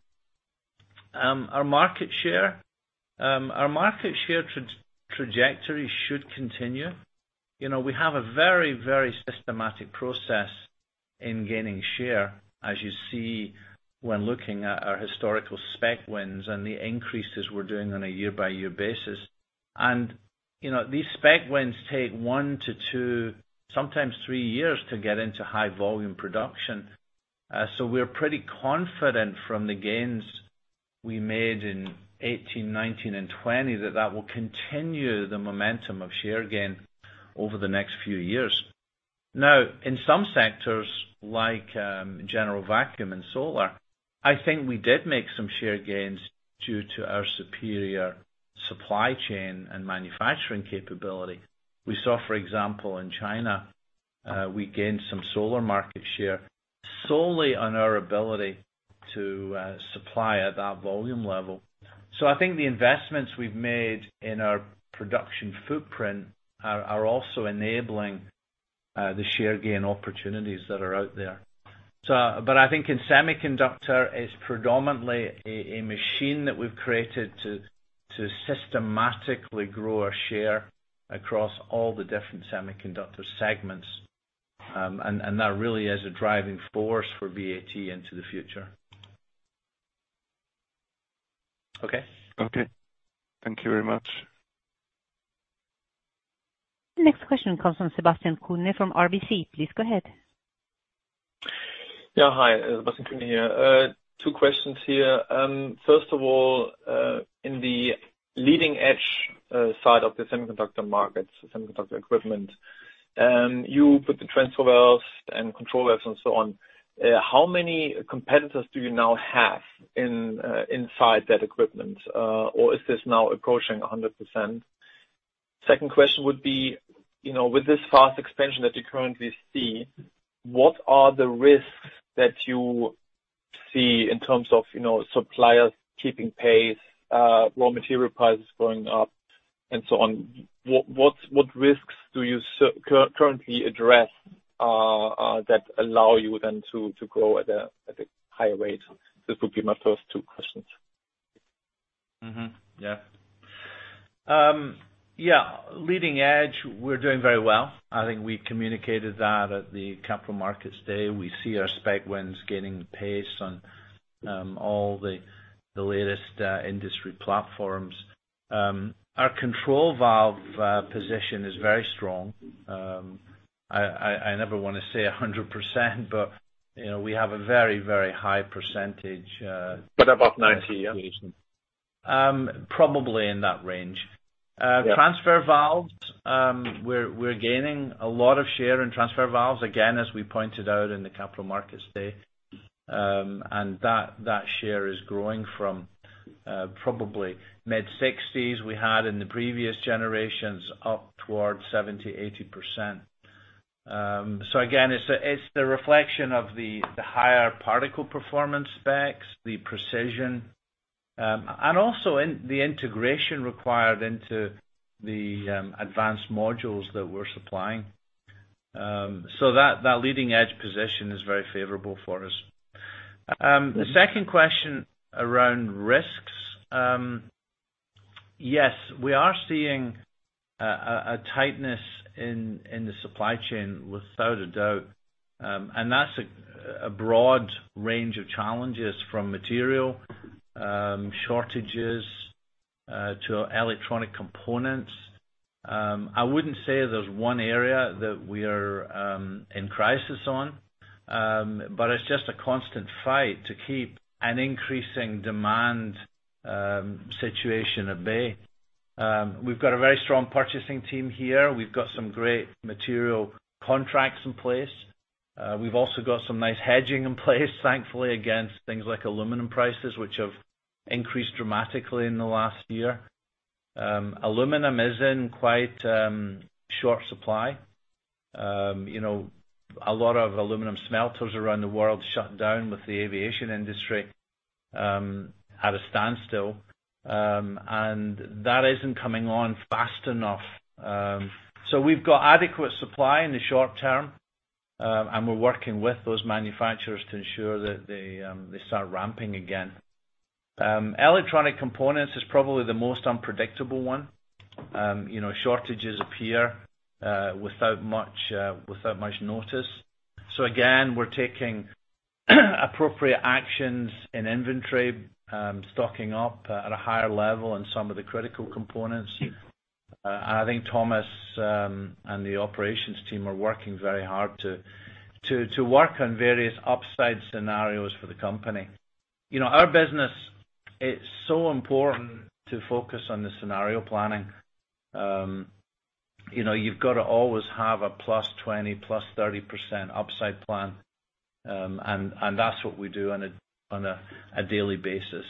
Our market share trajectory should continue. We have a very systematic process in gaining share, as you see when looking at our historical spec wins and the increases we're doing on a year-by-year basis. These spec wins take one to two, sometimes three years to get into high volume production. We're pretty confident from the gains we made in 2018, 2019, and 2020 that that will continue the momentum of share gain over the next few years. In some sectors like general vacuum and solar, I think we did make some share gains due to our superior supply chain and manufacturing capability. We saw, for example, in China, we gained some solar market share solely on our ability to supply at that volume level. I think the investments we've made in our production footprint are also enabling the share gain opportunities that are out there. I think in semiconductor, it's predominantly a machine that we've created to systematically grow our share across all the different semiconductor segments. That really is a driving force for VAT into the future. Okay? Okay. Thank you very much. Next question comes from Sebastian Kuenne from RBC. Please go ahead. Yeah. Hi. Sebastian Kuenne here. Two questions here. First of all, in the leading edge side of the semiconductor market, semiconductor equipment, you put the transfer valves and control valves and so on. How many competitors do you now have inside that equipment? Is this now approaching 100%? Second question would be, with this fast expansion that you currently see, what are the risks that you see in terms of suppliers keeping pace, raw material prices going up, and so on? What risks do you currently address that allow you then to grow at a higher rate? This would be my first two questions. Yeah. Leading edge, we're doing very well. I think we communicated that at the Capital Markets Day. We see our spec wins gaining pace on all the latest industry platforms. Our control valve position is very strong. I never want to say 100%, but we have a very, very high percentage... <crosstalk> Above 90, yeah? Probably in that range. Yeah. Transfer valves, we're gaining a lot of share in transfer valves, again, as we pointed out in the Capital Markets Day. That share is growing from probably mid-60s we had in the previous generations up towards 70%-80%. Again, it's the reflection of the higher particle performance specs, the precision, and also the integration required into the advanced modules that we're supplying. That leading edge position is very favorable for us. The second question around risks. Yes, we are seeing a tightness in the supply chain, without a doubt. That's a broad range of challenges from material shortages to electronic components. I wouldn't say there's one area that we are in crisis on. It's just a constant fight to keep an increasing demand situation at bay. We've got a very strong purchasing team here. We've got some great material contracts in place. We've also got some nice hedging in place, thankfully, against things like aluminum prices, which have increased dramatically in the last year. Aluminum is in quite short supply. A lot of aluminum smelters around the world shut down with the aviation industry at a standstill. That isn't coming on fast enough. We've got adequate supply in the short term. We're working with those manufacturers to ensure that they start ramping again. Electronic components is probably the most unpredictable one. Shortages appear without much notice. Again, we're taking appropriate actions in inventory, stocking up at a higher level on some of the critical components. I think Thomas and the operations team are working very hard to work on various upside scenarios for the company. Our business, it's so important to focus on the scenario planning. You've got to always have a +20%, +30% upside plan. That's what we do on a daily basis.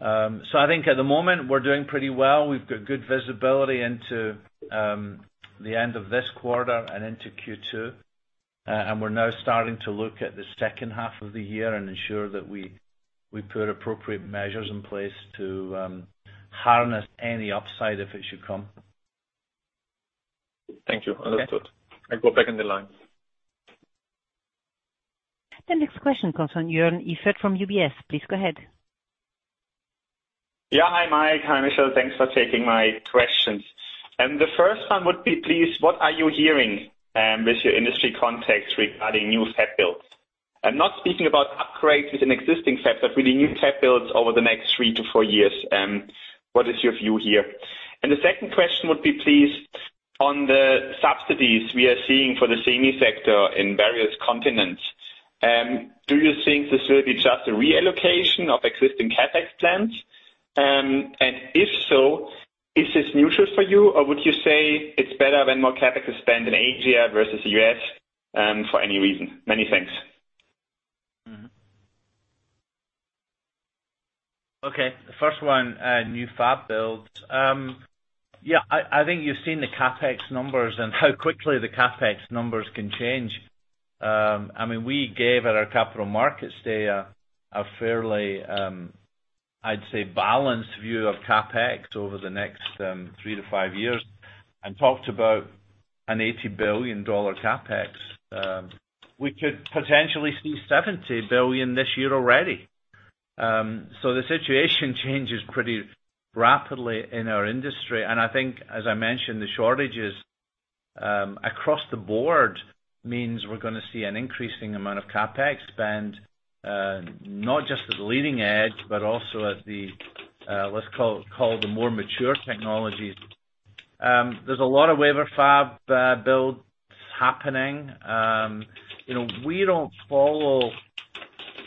I think at the moment, we're doing pretty well. We've got good visibility into the end of this quarter and into Q2. We're now starting to look at the second half of the year and ensure that we put appropriate measures in place to harness any upside if it should come. Thank you. Okay. That's it. I go back in the line. The next question comes from Joern Iffert from UBS. Please go ahead. Yeah. Hi, Mike. Hi, Michel. Thanks for taking my questions. The first one would be, please, what are you hearing with your industry contacts regarding new fab builds? I'm not speaking about upgrades with an existing fab, but really new fab builds over the next three to four years. What is your view here? The second question would be, please, on the subsidies we are seeing for the semi sector in various continents. Do you think this will be just a reallocation of existing CapEx plans? If so, is this neutral for you, or would you say it's better when more CapEx is spent in Asia versus U.S., for any reason? Many thanks. Okay. The first one, new fab builds. Yeah, I think you've seen the CapEx numbers and how quickly the CapEx numbers can change. We gave at our Capital Markets Day a fairly, I'd say, balanced view of CapEx over the next three to five years, and talked about an $80 billion CapEx. We could potentially see $70 billion this year already. The situation changes pretty rapidly in our industry, and I think, as I mentioned, the shortages across the board means we're going to see an increasing amount of CapEx spend, not just at the leading edge, but also at the, let's call them more mature technologies. There's a lot of wafer fab builds happening. We don't follow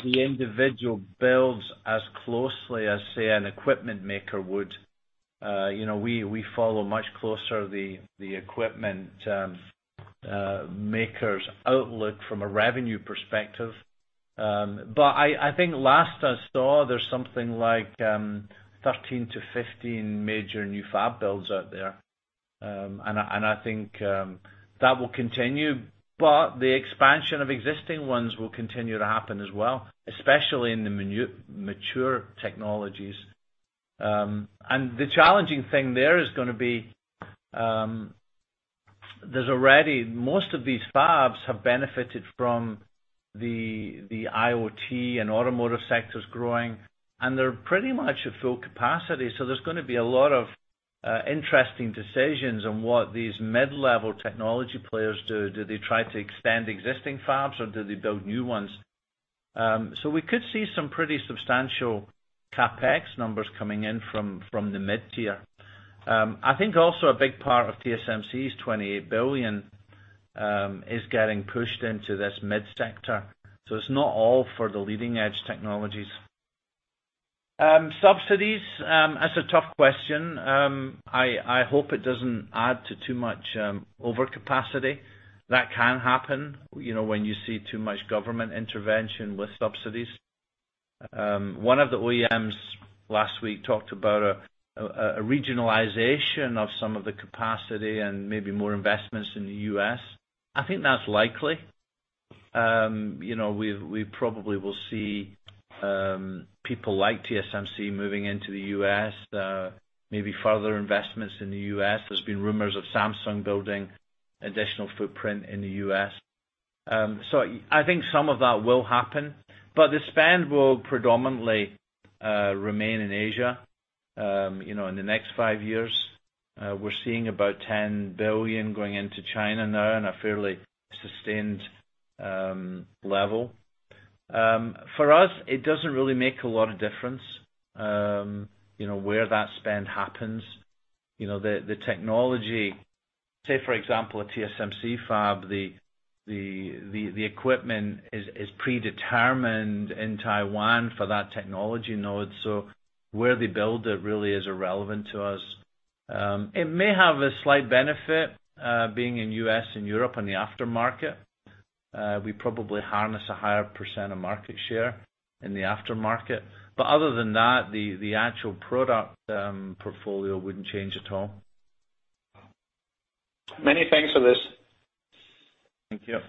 the individual builds as closely as, say, an equipment maker would. We follow much closer the equipment maker's outlook from a revenue perspective. I think last I saw, there's something like 13-15 major new fab builds out there. I think that will continue. The expansion of existing ones will continue to happen as well, especially in the mature technologies. The challenging thing there is going to be, most of these fabs have benefited from the IoT and automotive sectors growing, and they're pretty much at full capacity. There's going to be a lot of interesting decisions on what these mid-level technology players do. Do they try to extend existing fabs, or do they build new ones? We could see some pretty substantial CapEx numbers coming in from the mid-tier. I think also a big part of TSMC's 28 billion is getting pushed into this mid-sector. It's not all for the leading-edge technologies. Subsidies, that's a tough question. I hope it doesn't add to too much overcapacity. That can happen, when you see too much government intervention with subsidies. One of the OEMs last week talked about a regionalization of some of the capacity and maybe more investments in the U.S. I think that's likely. We probably will see people like TSMC moving into the U.S., maybe further investments in the U.S. There's been rumors of Samsung building additional footprint in the U.S. I think some of that will happen. The spend will predominantly remain in Asia. In the next five years, we're seeing about 10 billion going into China now in a fairly sustained level. For us, it doesn't really make a lot of difference, where that spend happens. The technology, say, for example, a TSMC fab, the equipment is predetermined in Taiwan for that technology node. Where they build it really is irrelevant to us. It may have a slight benefit, being in U.S. and Europe in the aftermarket. We probably harness a higher percent of market share in the aftermarket. Other than that, the actual product portfolio wouldn't change at all. Many thanks for this. Thank you.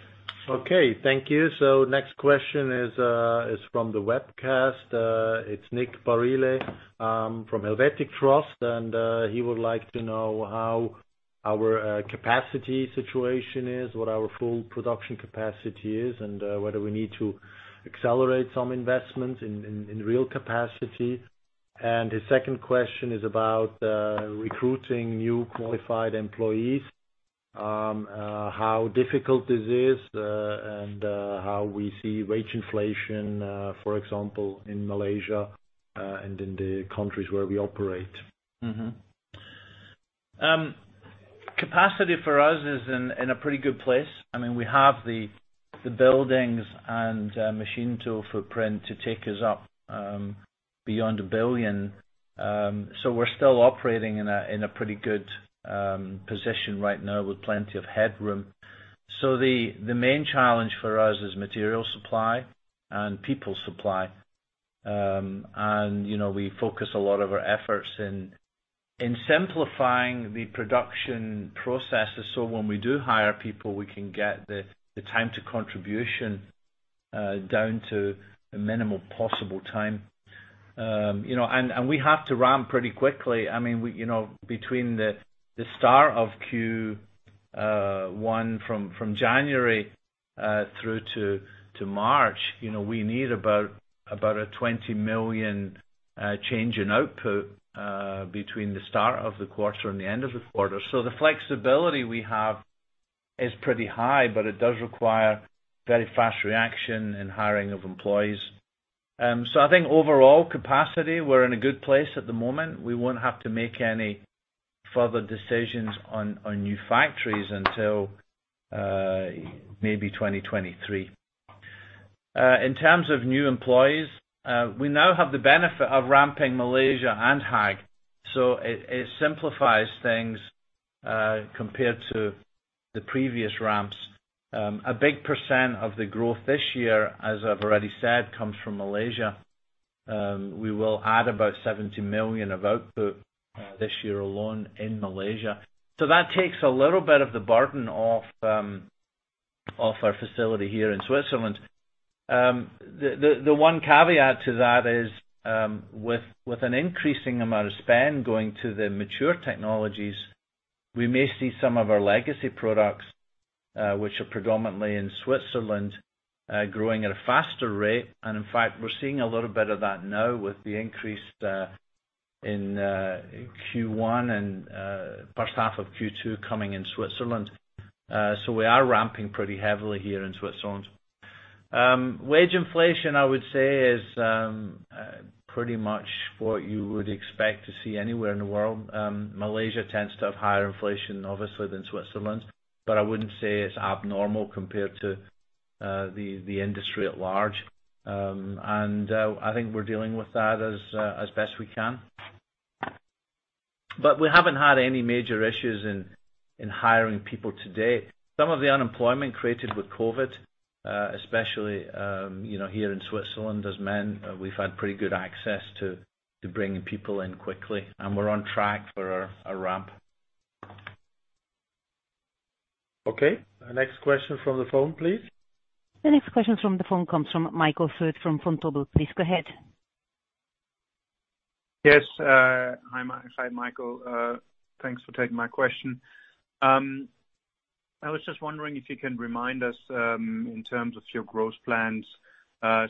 Okay. Thank you. Next question is from the webcast. It's Nick Barile from Helvetic Trust, and he would like to know how our capacity situation is, what our full production capacity is, and whether we need to accelerate some investments in real capacity. His second question is about recruiting new qualified employees. How difficult is this, and how we see wage inflation, for example, in Malaysia and in the countries where we operate. Capacity for us is in a pretty good place. We have the buildings and machine tool footprint to take us up beyond 1 billion. We're still operating in a pretty good position right now with plenty of headroom. The main challenge for us is material supply and people supply. We focus a lot of our efforts in simplifying the production processes, so when we do hire people, we can get the time to contribution down to the minimal possible time. We have to ramp pretty quickly. Between the start of Q1, from January through to March, we need about a 20 million change in output between the start of the quarter and the end of the quarter. The flexibility we have is pretty high, but it does require very fast reaction and hiring of employees. I think overall capacity, we're in a good place at the moment. We won't have to make any further decisions on new factories until maybe 2023. In terms of new employees, we now have the benefit of ramping Malaysia and Haag. It simplifies things compared to the previous ramps. A big percent of the growth this year, as I've already said, comes from Malaysia. We will add about 70 million of output this year alone in Malaysia. That takes a little bit of the burden off our facility here in Switzerland. The one caveat to that is, with an increasing amount of spend going to the mature technologies, we may see some of our legacy products, which are predominantly in Switzerland, growing at a faster rate. In fact, we're seeing a little bit of that now with the increase in Q1 and first half of Q2 coming in Switzerland. We are ramping pretty heavily here in Switzerland. Wage inflation, I would say, is pretty much what you would expect to see anywhere in the world. Malaysia tends to have higher inflation, obviously, than Switzerland, but I wouldn't say it's abnormal compared to the industry at large. I think we're dealing with that as best we can. We haven't had any major issues in hiring people to date. Some of the unemployment created with COVID, especially here in Switzerland, has meant we've had pretty good access to bringing people in quickly. We're on track for our ramp. Okay, next question from the phone, please. The next question from the phone comes from Michael Foeth from Vontobel. Please go ahead. Yes. Hi, Michael. Thanks for taking my question. I was just wondering if you can remind us, in terms of your growth plans,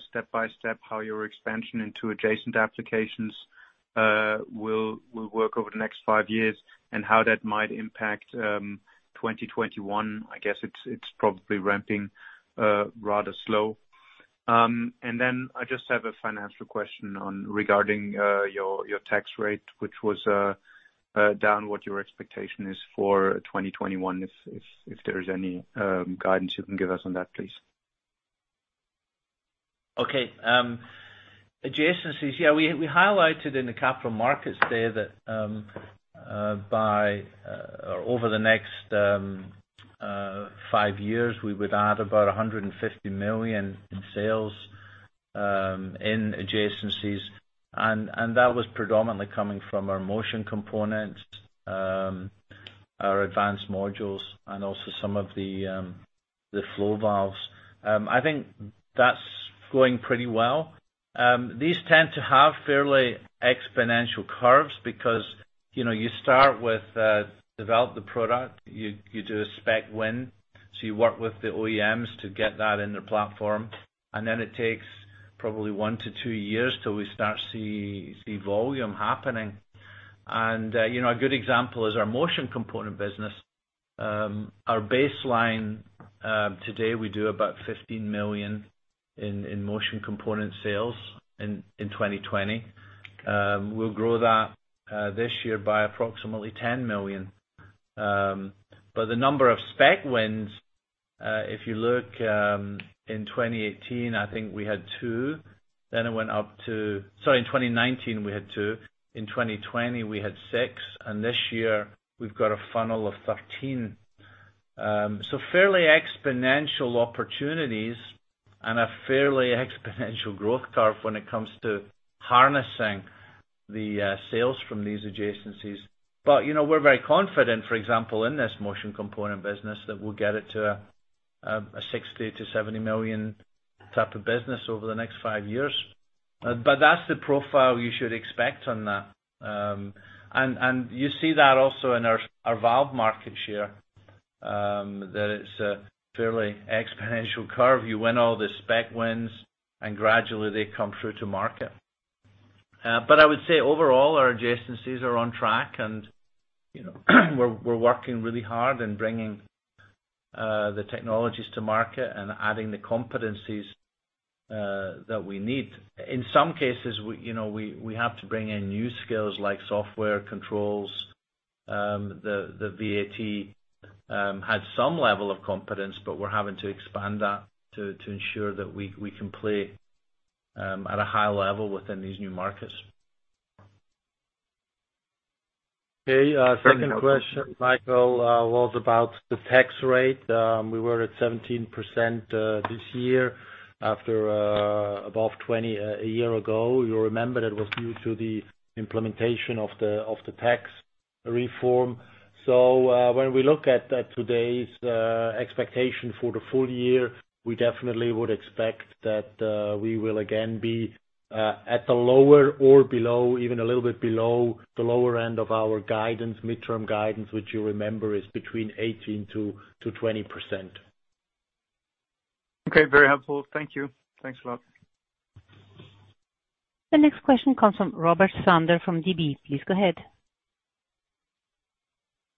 step by step how your expansion into adjacent applications will work over the next five years, and how that might impact 2021. I guess it's probably ramping rather slow. Then I just have a financial question on regarding your tax rate, which was down, what your expectation is for 2021, if there is any guidance you can give us on that, please. Okay. Adjacencies, yeah, we highlighted in the Capital Markets Day that over the next five years, we would add about 150 million in sales in adjacencies. That was predominantly coming from our motion components, our advanced modules, and also some of the flow valves. I think that's going pretty well. These tend to have fairly exponential curves because, you start with develop the product, you do a spec win, so you work with the OEMs to get that in their platform. Then it takes probably one to two years till we start see volume happening. A good example is our motion components business. Our baseline, today, we do about 15 million in motion components sales in 2020. We'll grow that this year by approximately 10 million. The number of spec wins, if you look, in 2018, I think we had two. Sorry, in 2019, we had two. In 2020, we had six. This year, we've got a funnel of 13. Fairly exponential opportunities and a fairly exponential growth curve when it comes to harnessing the sales from these adjacencies. We're very confident, for example, in this motion component business that we'll get it to a 60 million-70 million type of business over the next five years. That's the profile you should expect on that. You see that also in our valve market share, that it's a fairly exponential curve. You win all the spec wins and gradually they come through to market. I would say overall, our adjacencies are on track and we're working really hard in bringing the technologies to market and adding the competencies that we need. In some cases, we have to bring in new skills like software controls. The VAT had some level of competence, but we're having to expand that to ensure that we can play at a high level within these new markets. Okay. Second question, Michael, was about the tax rate. We were at 17% this year after above 20% a year ago. You'll remember that was due to the implementation of the tax reform. When we look at today's expectation for the full year, we definitely would expect that we will again be at the lower or below, even a little bit below the lower end of our guidance, midterm guidance, which you remember is between 18%-20%. Okay. Very helpful. Thank you. Thanks a lot. The next question comes from Robert Sanders from DB. Please go ahead.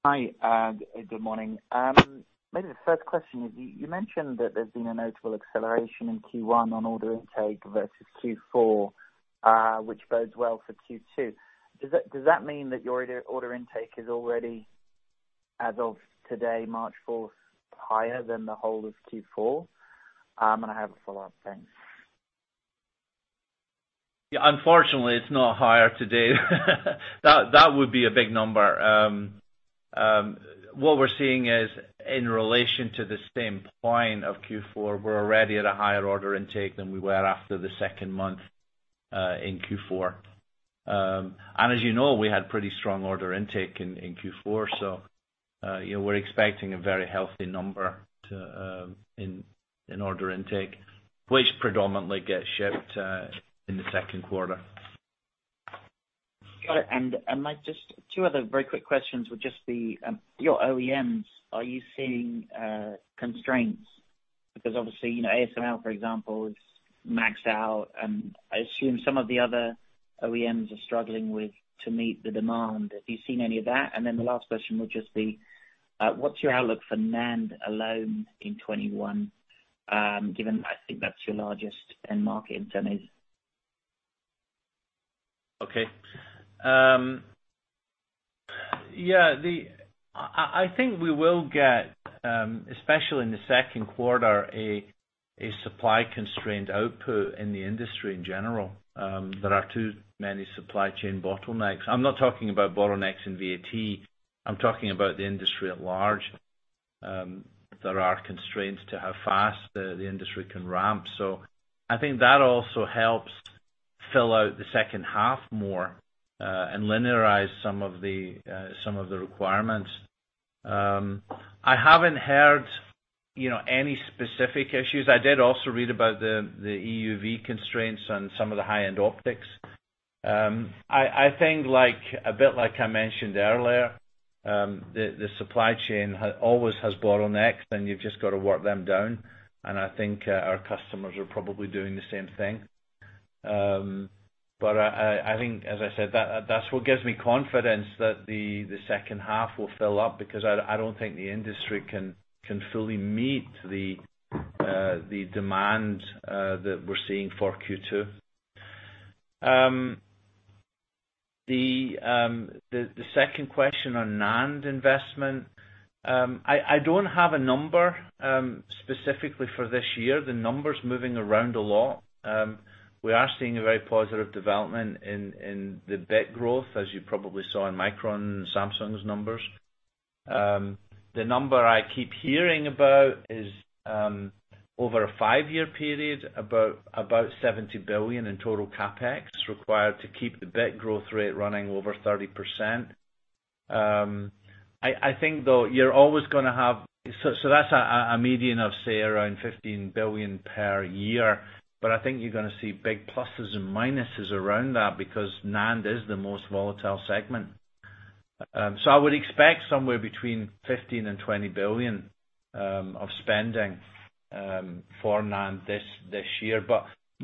Hi, good morning. Maybe the first question is, you mentioned that there's been a notable acceleration in Q1 on order intake versus Q4, which bodes well for Q2. Does that mean that your order intake is already, as of today, March 4th, higher than the whole of Q4? I have a follow-up. Thanks. Yeah. Unfortunately, it's not higher today. That would be a big number. What we're seeing is in relation to the same point of Q4, we're already at a higher order intake than we were after the second month, in Q4. As you know, we had pretty strong order intake in Q4. We're expecting a very healthy number in order intake, which predominantly gets shipped in the second quarter. Got it. Might just two other very quick questions would just be, your OEMs, are you seeing constraints? Because obviously, ASML, for example, is maxed out, and I assume some of the other OEMs are struggling to meet the demand. Have you seen any of that? Then the last question would just be, what's your outlook for NAND alone in 2021? Given I think that's your largest end market in terms of... Okay. Yeah, I think we will get, especially in the second quarter, a supply-constrained output in the industry in general. There are too many supply chain bottlenecks. I'm not talking about bottlenecks in VAT, I'm talking about the industry at large. There are constraints to how fast the industry can ramp. I think that also helps fill out the second half more, and linearize some of the requirements. I haven't heard any specific issues. I did also read about the EUV constraints on some of the high-end optics. I think a bit like I mentioned earlier, the supply chain always has bottlenecks and you've just got to work them down, and I think our customers are probably doing the same thing. I think, as I said, that's what gives me confidence that the second half will fill up, because I don't think the industry can fully meet the demand that we're seeing for Q2. The second question on NAND investment. I don't have a number specifically for this year. The number's moving around a lot. We are seeing a very positive development in the bit growth, as you probably saw in Micron and Samsung's numbers. The number I keep hearing about is over a five-year period, about 70 billion in total CapEx required to keep the bit growth rate running over 30%. I think, though, you're always going to have, so that's a median of, say, around 15 billion per year. I think you're going to see big pluses and minuses around that because NAND is the most volatile segment. I would expect somewhere between 15 billion and 20 billion of spending for NAND this year.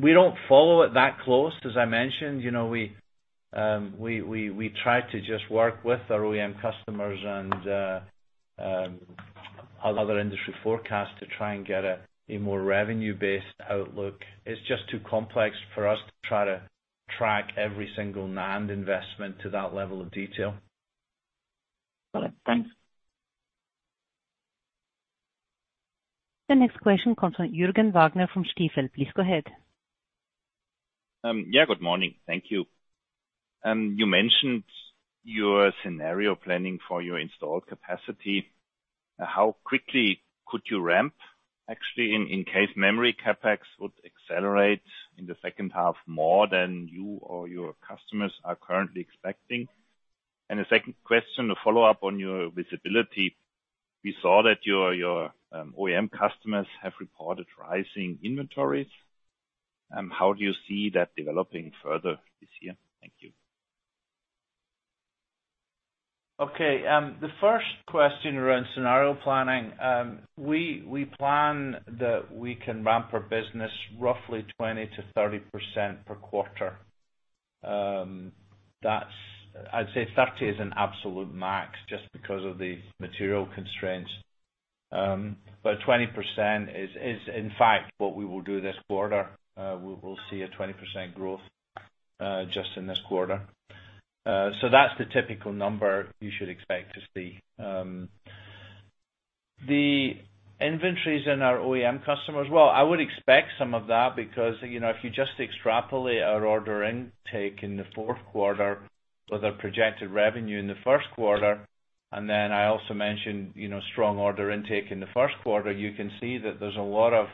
We don't follow it that close. As I mentioned, we try to just work with our OEM customers and other industry forecasts to try and get a more revenue-based outlook. It's just too complex for us to try to track every single NAND investment to that level of detail. Got it. Thanks. The next question comes from Jürgen Wagner from Stifel. Please go ahead. Yeah, good morning. Thank you. You mentioned your scenario planning for your installed capacity. How quickly could you ramp, actually, in case memory CapEx would accelerate in the second half more than you or your customers are currently expecting? The second question to follow up on your visibility, we saw that your OEM customers have reported rising inventories. How do you see that developing further this year? Thank you. Okay. The first question around scenario planning. We plan that we can ramp our business roughly 20%-30% per quarter. I'd say 30% is an absolute max just because of the material constraints. 20% is in fact what we will do this quarter. We will see a 20% growth just in this quarter. That's the typical number you should expect to see. The inventories in our OEM customers, well, I would expect some of that because, if you just extrapolate our order intake in the fourth quarter with our projected revenue in the first quarter, and then I also mentioned strong order intake in the first quarter, you can see that there's a lot of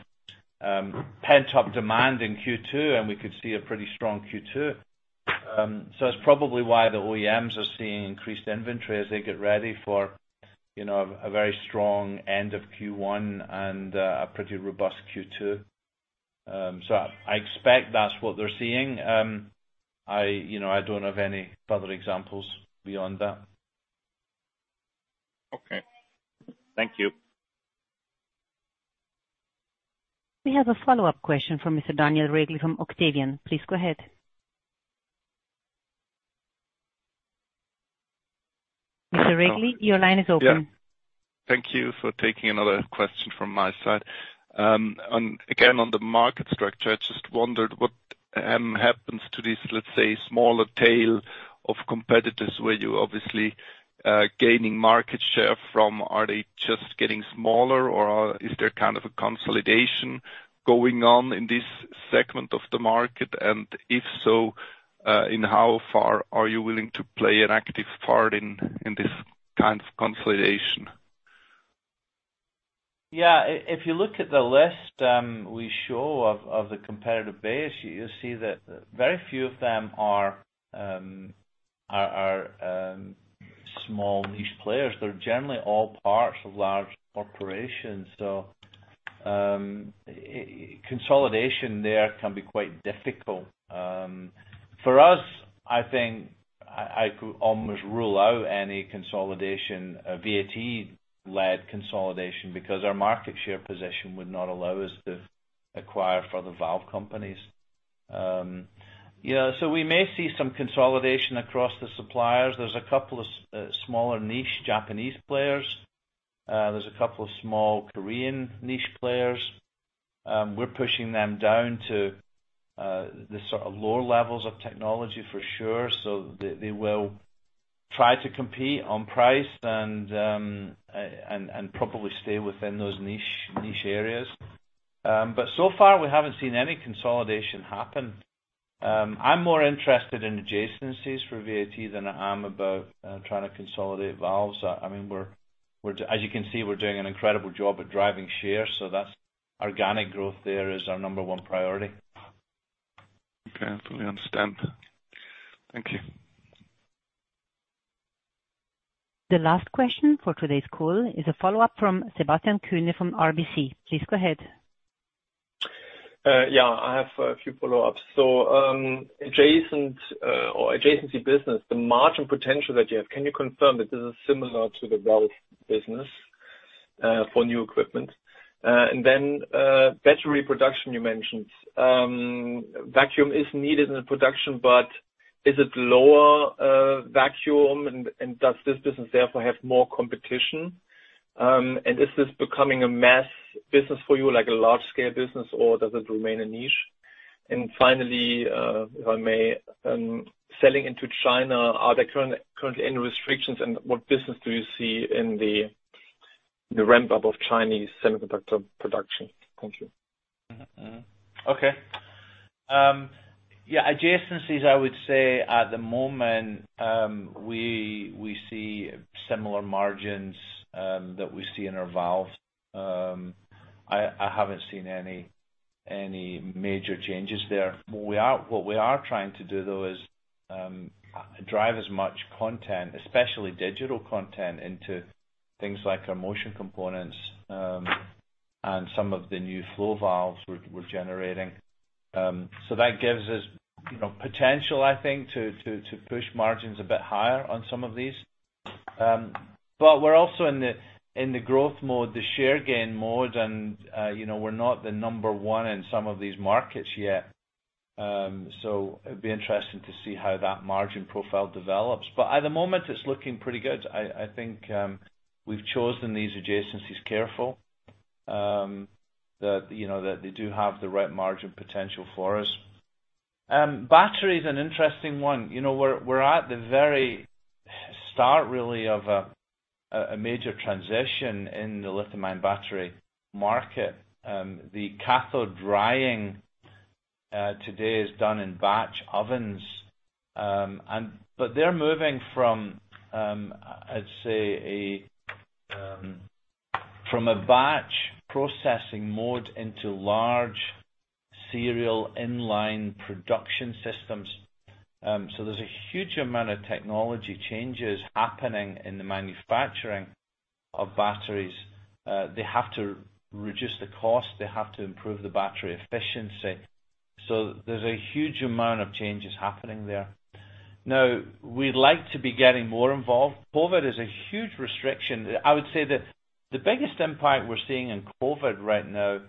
pent-up demand in Q2, and we could see a pretty strong Q2. That's probably why the OEMs are seeing increased inventory as they get ready for a very strong end of Q1 and a pretty robust Q2. I expect that's what they're seeing. I don't have any further examples beyond that. Okay. Thank you. We have a follow-up question from Mr. Daniel Regli from Octavian. Please go ahead. Mr. Regli, your line is open. Yeah. Thank you for taking another question from my side. Again, on the market structure, I just wondered what happens to this, let's say, smaller tail of competitors where you're obviously gaining market share from. Are they just getting smaller, or is there kind of a consolidation going on in this segment of the market? If so, in how far are you willing to play an active part in this kind of consolidation? Yeah. If you look at the list we show of the competitive base, you'll see that very few of them are small niche players. They're generally all parts of large corporations. Consolidation there can be quite difficult. For us, I think I could almost rule out any consolidation, a VAT-led consolidation, because our market share position would not allow us to acquire further valve companies. We may see some consolidation across the suppliers. There's a couple of smaller niche Japanese players. There's a couple of small Korean niche players. We're pushing them down to the sort of lower levels of technology for sure. They will try to compete on price and probably stay within those niche areas. So far, we haven't seen any consolidation happen. I'm more interested in adjacencies for VAT than I am about trying to consolidate valves. As you can see, we're doing an incredible job at driving share, so that organic growth there is our number one priority. Okay. I fully understand. Thank you. The last question for today's call is a follow-up from Sebastian Kuenne from RBC. Please go ahead. Yeah. I have a few follow-ups. Adjacent or adjacency business, the margin potential that you have, can you confirm that this is similar to the valve business for new equipment? Battery production you mentioned. Vacuum is needed in the production, is it lower vacuum and does this business therefore have more competition? Is this becoming a mass business for you, like a large scale business, or does it remain a niche? Finally, if I may, selling into China, are there currently any restrictions and what business do you see in the ramp-up of Chinese semiconductor production? Thank you. Okay. Yeah, adjacencies, I would say at the moment, we see similar margins that we see in our valves. I haven't seen any major changes there. What we are trying to do, though, is drive as much content, especially digital content, into things like our motion components and some of the new flow valves we're generating. That gives us potential, I think, to push margins a bit higher on some of these. We're also in the growth mode, the share gain mode, and we're not the number one in some of these markets yet. It'd be interesting to see how that margin profile develops. At the moment, it's looking pretty good. I think we've chosen these adjacencies careful, that they do have the right margin potential for us. Battery is an interesting one. We're at the very start, really, of a major transition in the lithium-ion battery market. The cathode drying today is done in batch ovens. They're moving from, I'd say, from a batch processing mode into large serial inline production systems. There's a huge amount of technology changes happening in the manufacturing of batteries. They have to reduce the cost. They have to improve the battery efficiency. There's a huge amount of changes happening there. We'd like to be getting more involved. COVID is a huge restriction. I would say that the biggest impact we're seeing in COVID right now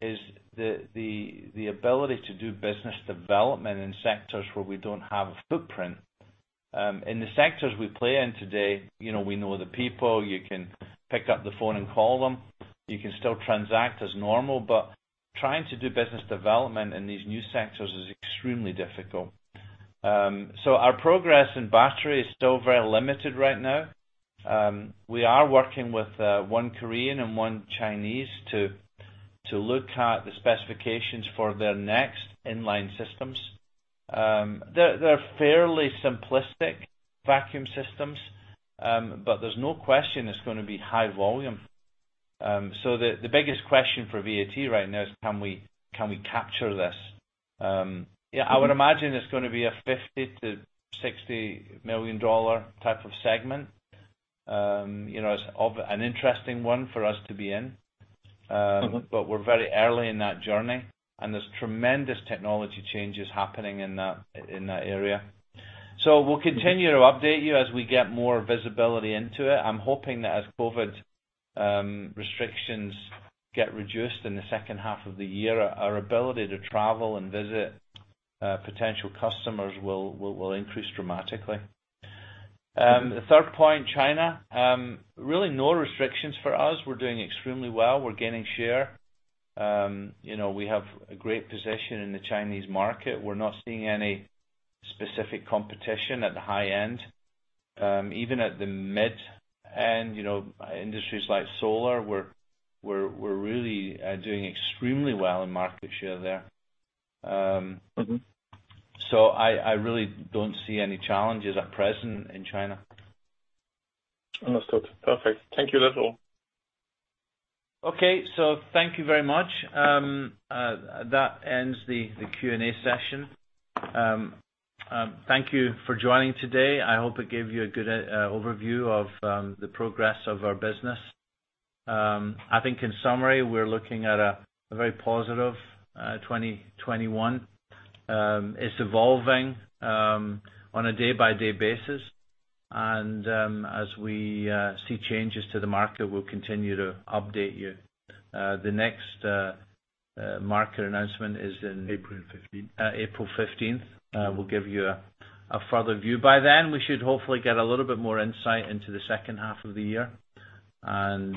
is the ability to do business development in sectors where we don't have a footprint. In the sectors we play in today, we know the people. You can pick up the phone and call them. You can still transact as normal, trying to do business development in these new sectors is extremely difficult. Our progress in battery is still very limited right now. We are working with one Korean and one Chinese to look at the specifications for their next inline systems. They're fairly simplistic vacuum systems, but there's no question it's going to be high volume. The biggest question for VAT right now is, can we capture this? Yeah, I would imagine it's going to be a CHF 50 million-CHF 60 million type of segment. It's an interesting one for us to be in. We're very early in that journey, and there's tremendous technology changes happening in that area. We'll continue to update you as we get more visibility into it. I'm hoping that as COVID-19 restrictions get reduced in the second half of the year, our ability to travel and visit potential customers will increase dramatically. The third point, China. Really no restrictions for us. We're doing extremely well. We're gaining share. We have a great position in the Chinese market. We're not seeing any specific competition at the high end. Even at the mid end, industries like solar, we're really doing extremely well in market share there. I really don't see any challenges at present in China. Understood. Perfect. Thank you, that's all. Thank you very much. That ends the Q&A session. Thank you for joining today. I hope it gave you a good overview of the progress of our business. I think in summary, we're looking at a very positive 2021. It's evolving on a day-by-day basis, and as we see changes to the market, we'll continue to update you. The next market announcement is in <crosstalk> April 15th. --April 15th. We'll give you a further view. We should hopefully get a little bit more insight into the second half of the year and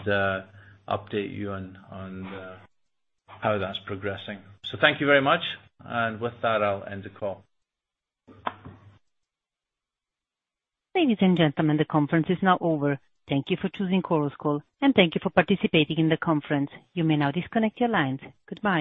update you on how that's progressing. Thank you very much. With that, I'll end the call. Ladies and gentlemen, the conference is now over. Thank you for choosing Chorus Call, and thank you for participating in the conference. You may now disconnect your lines. Goodbye.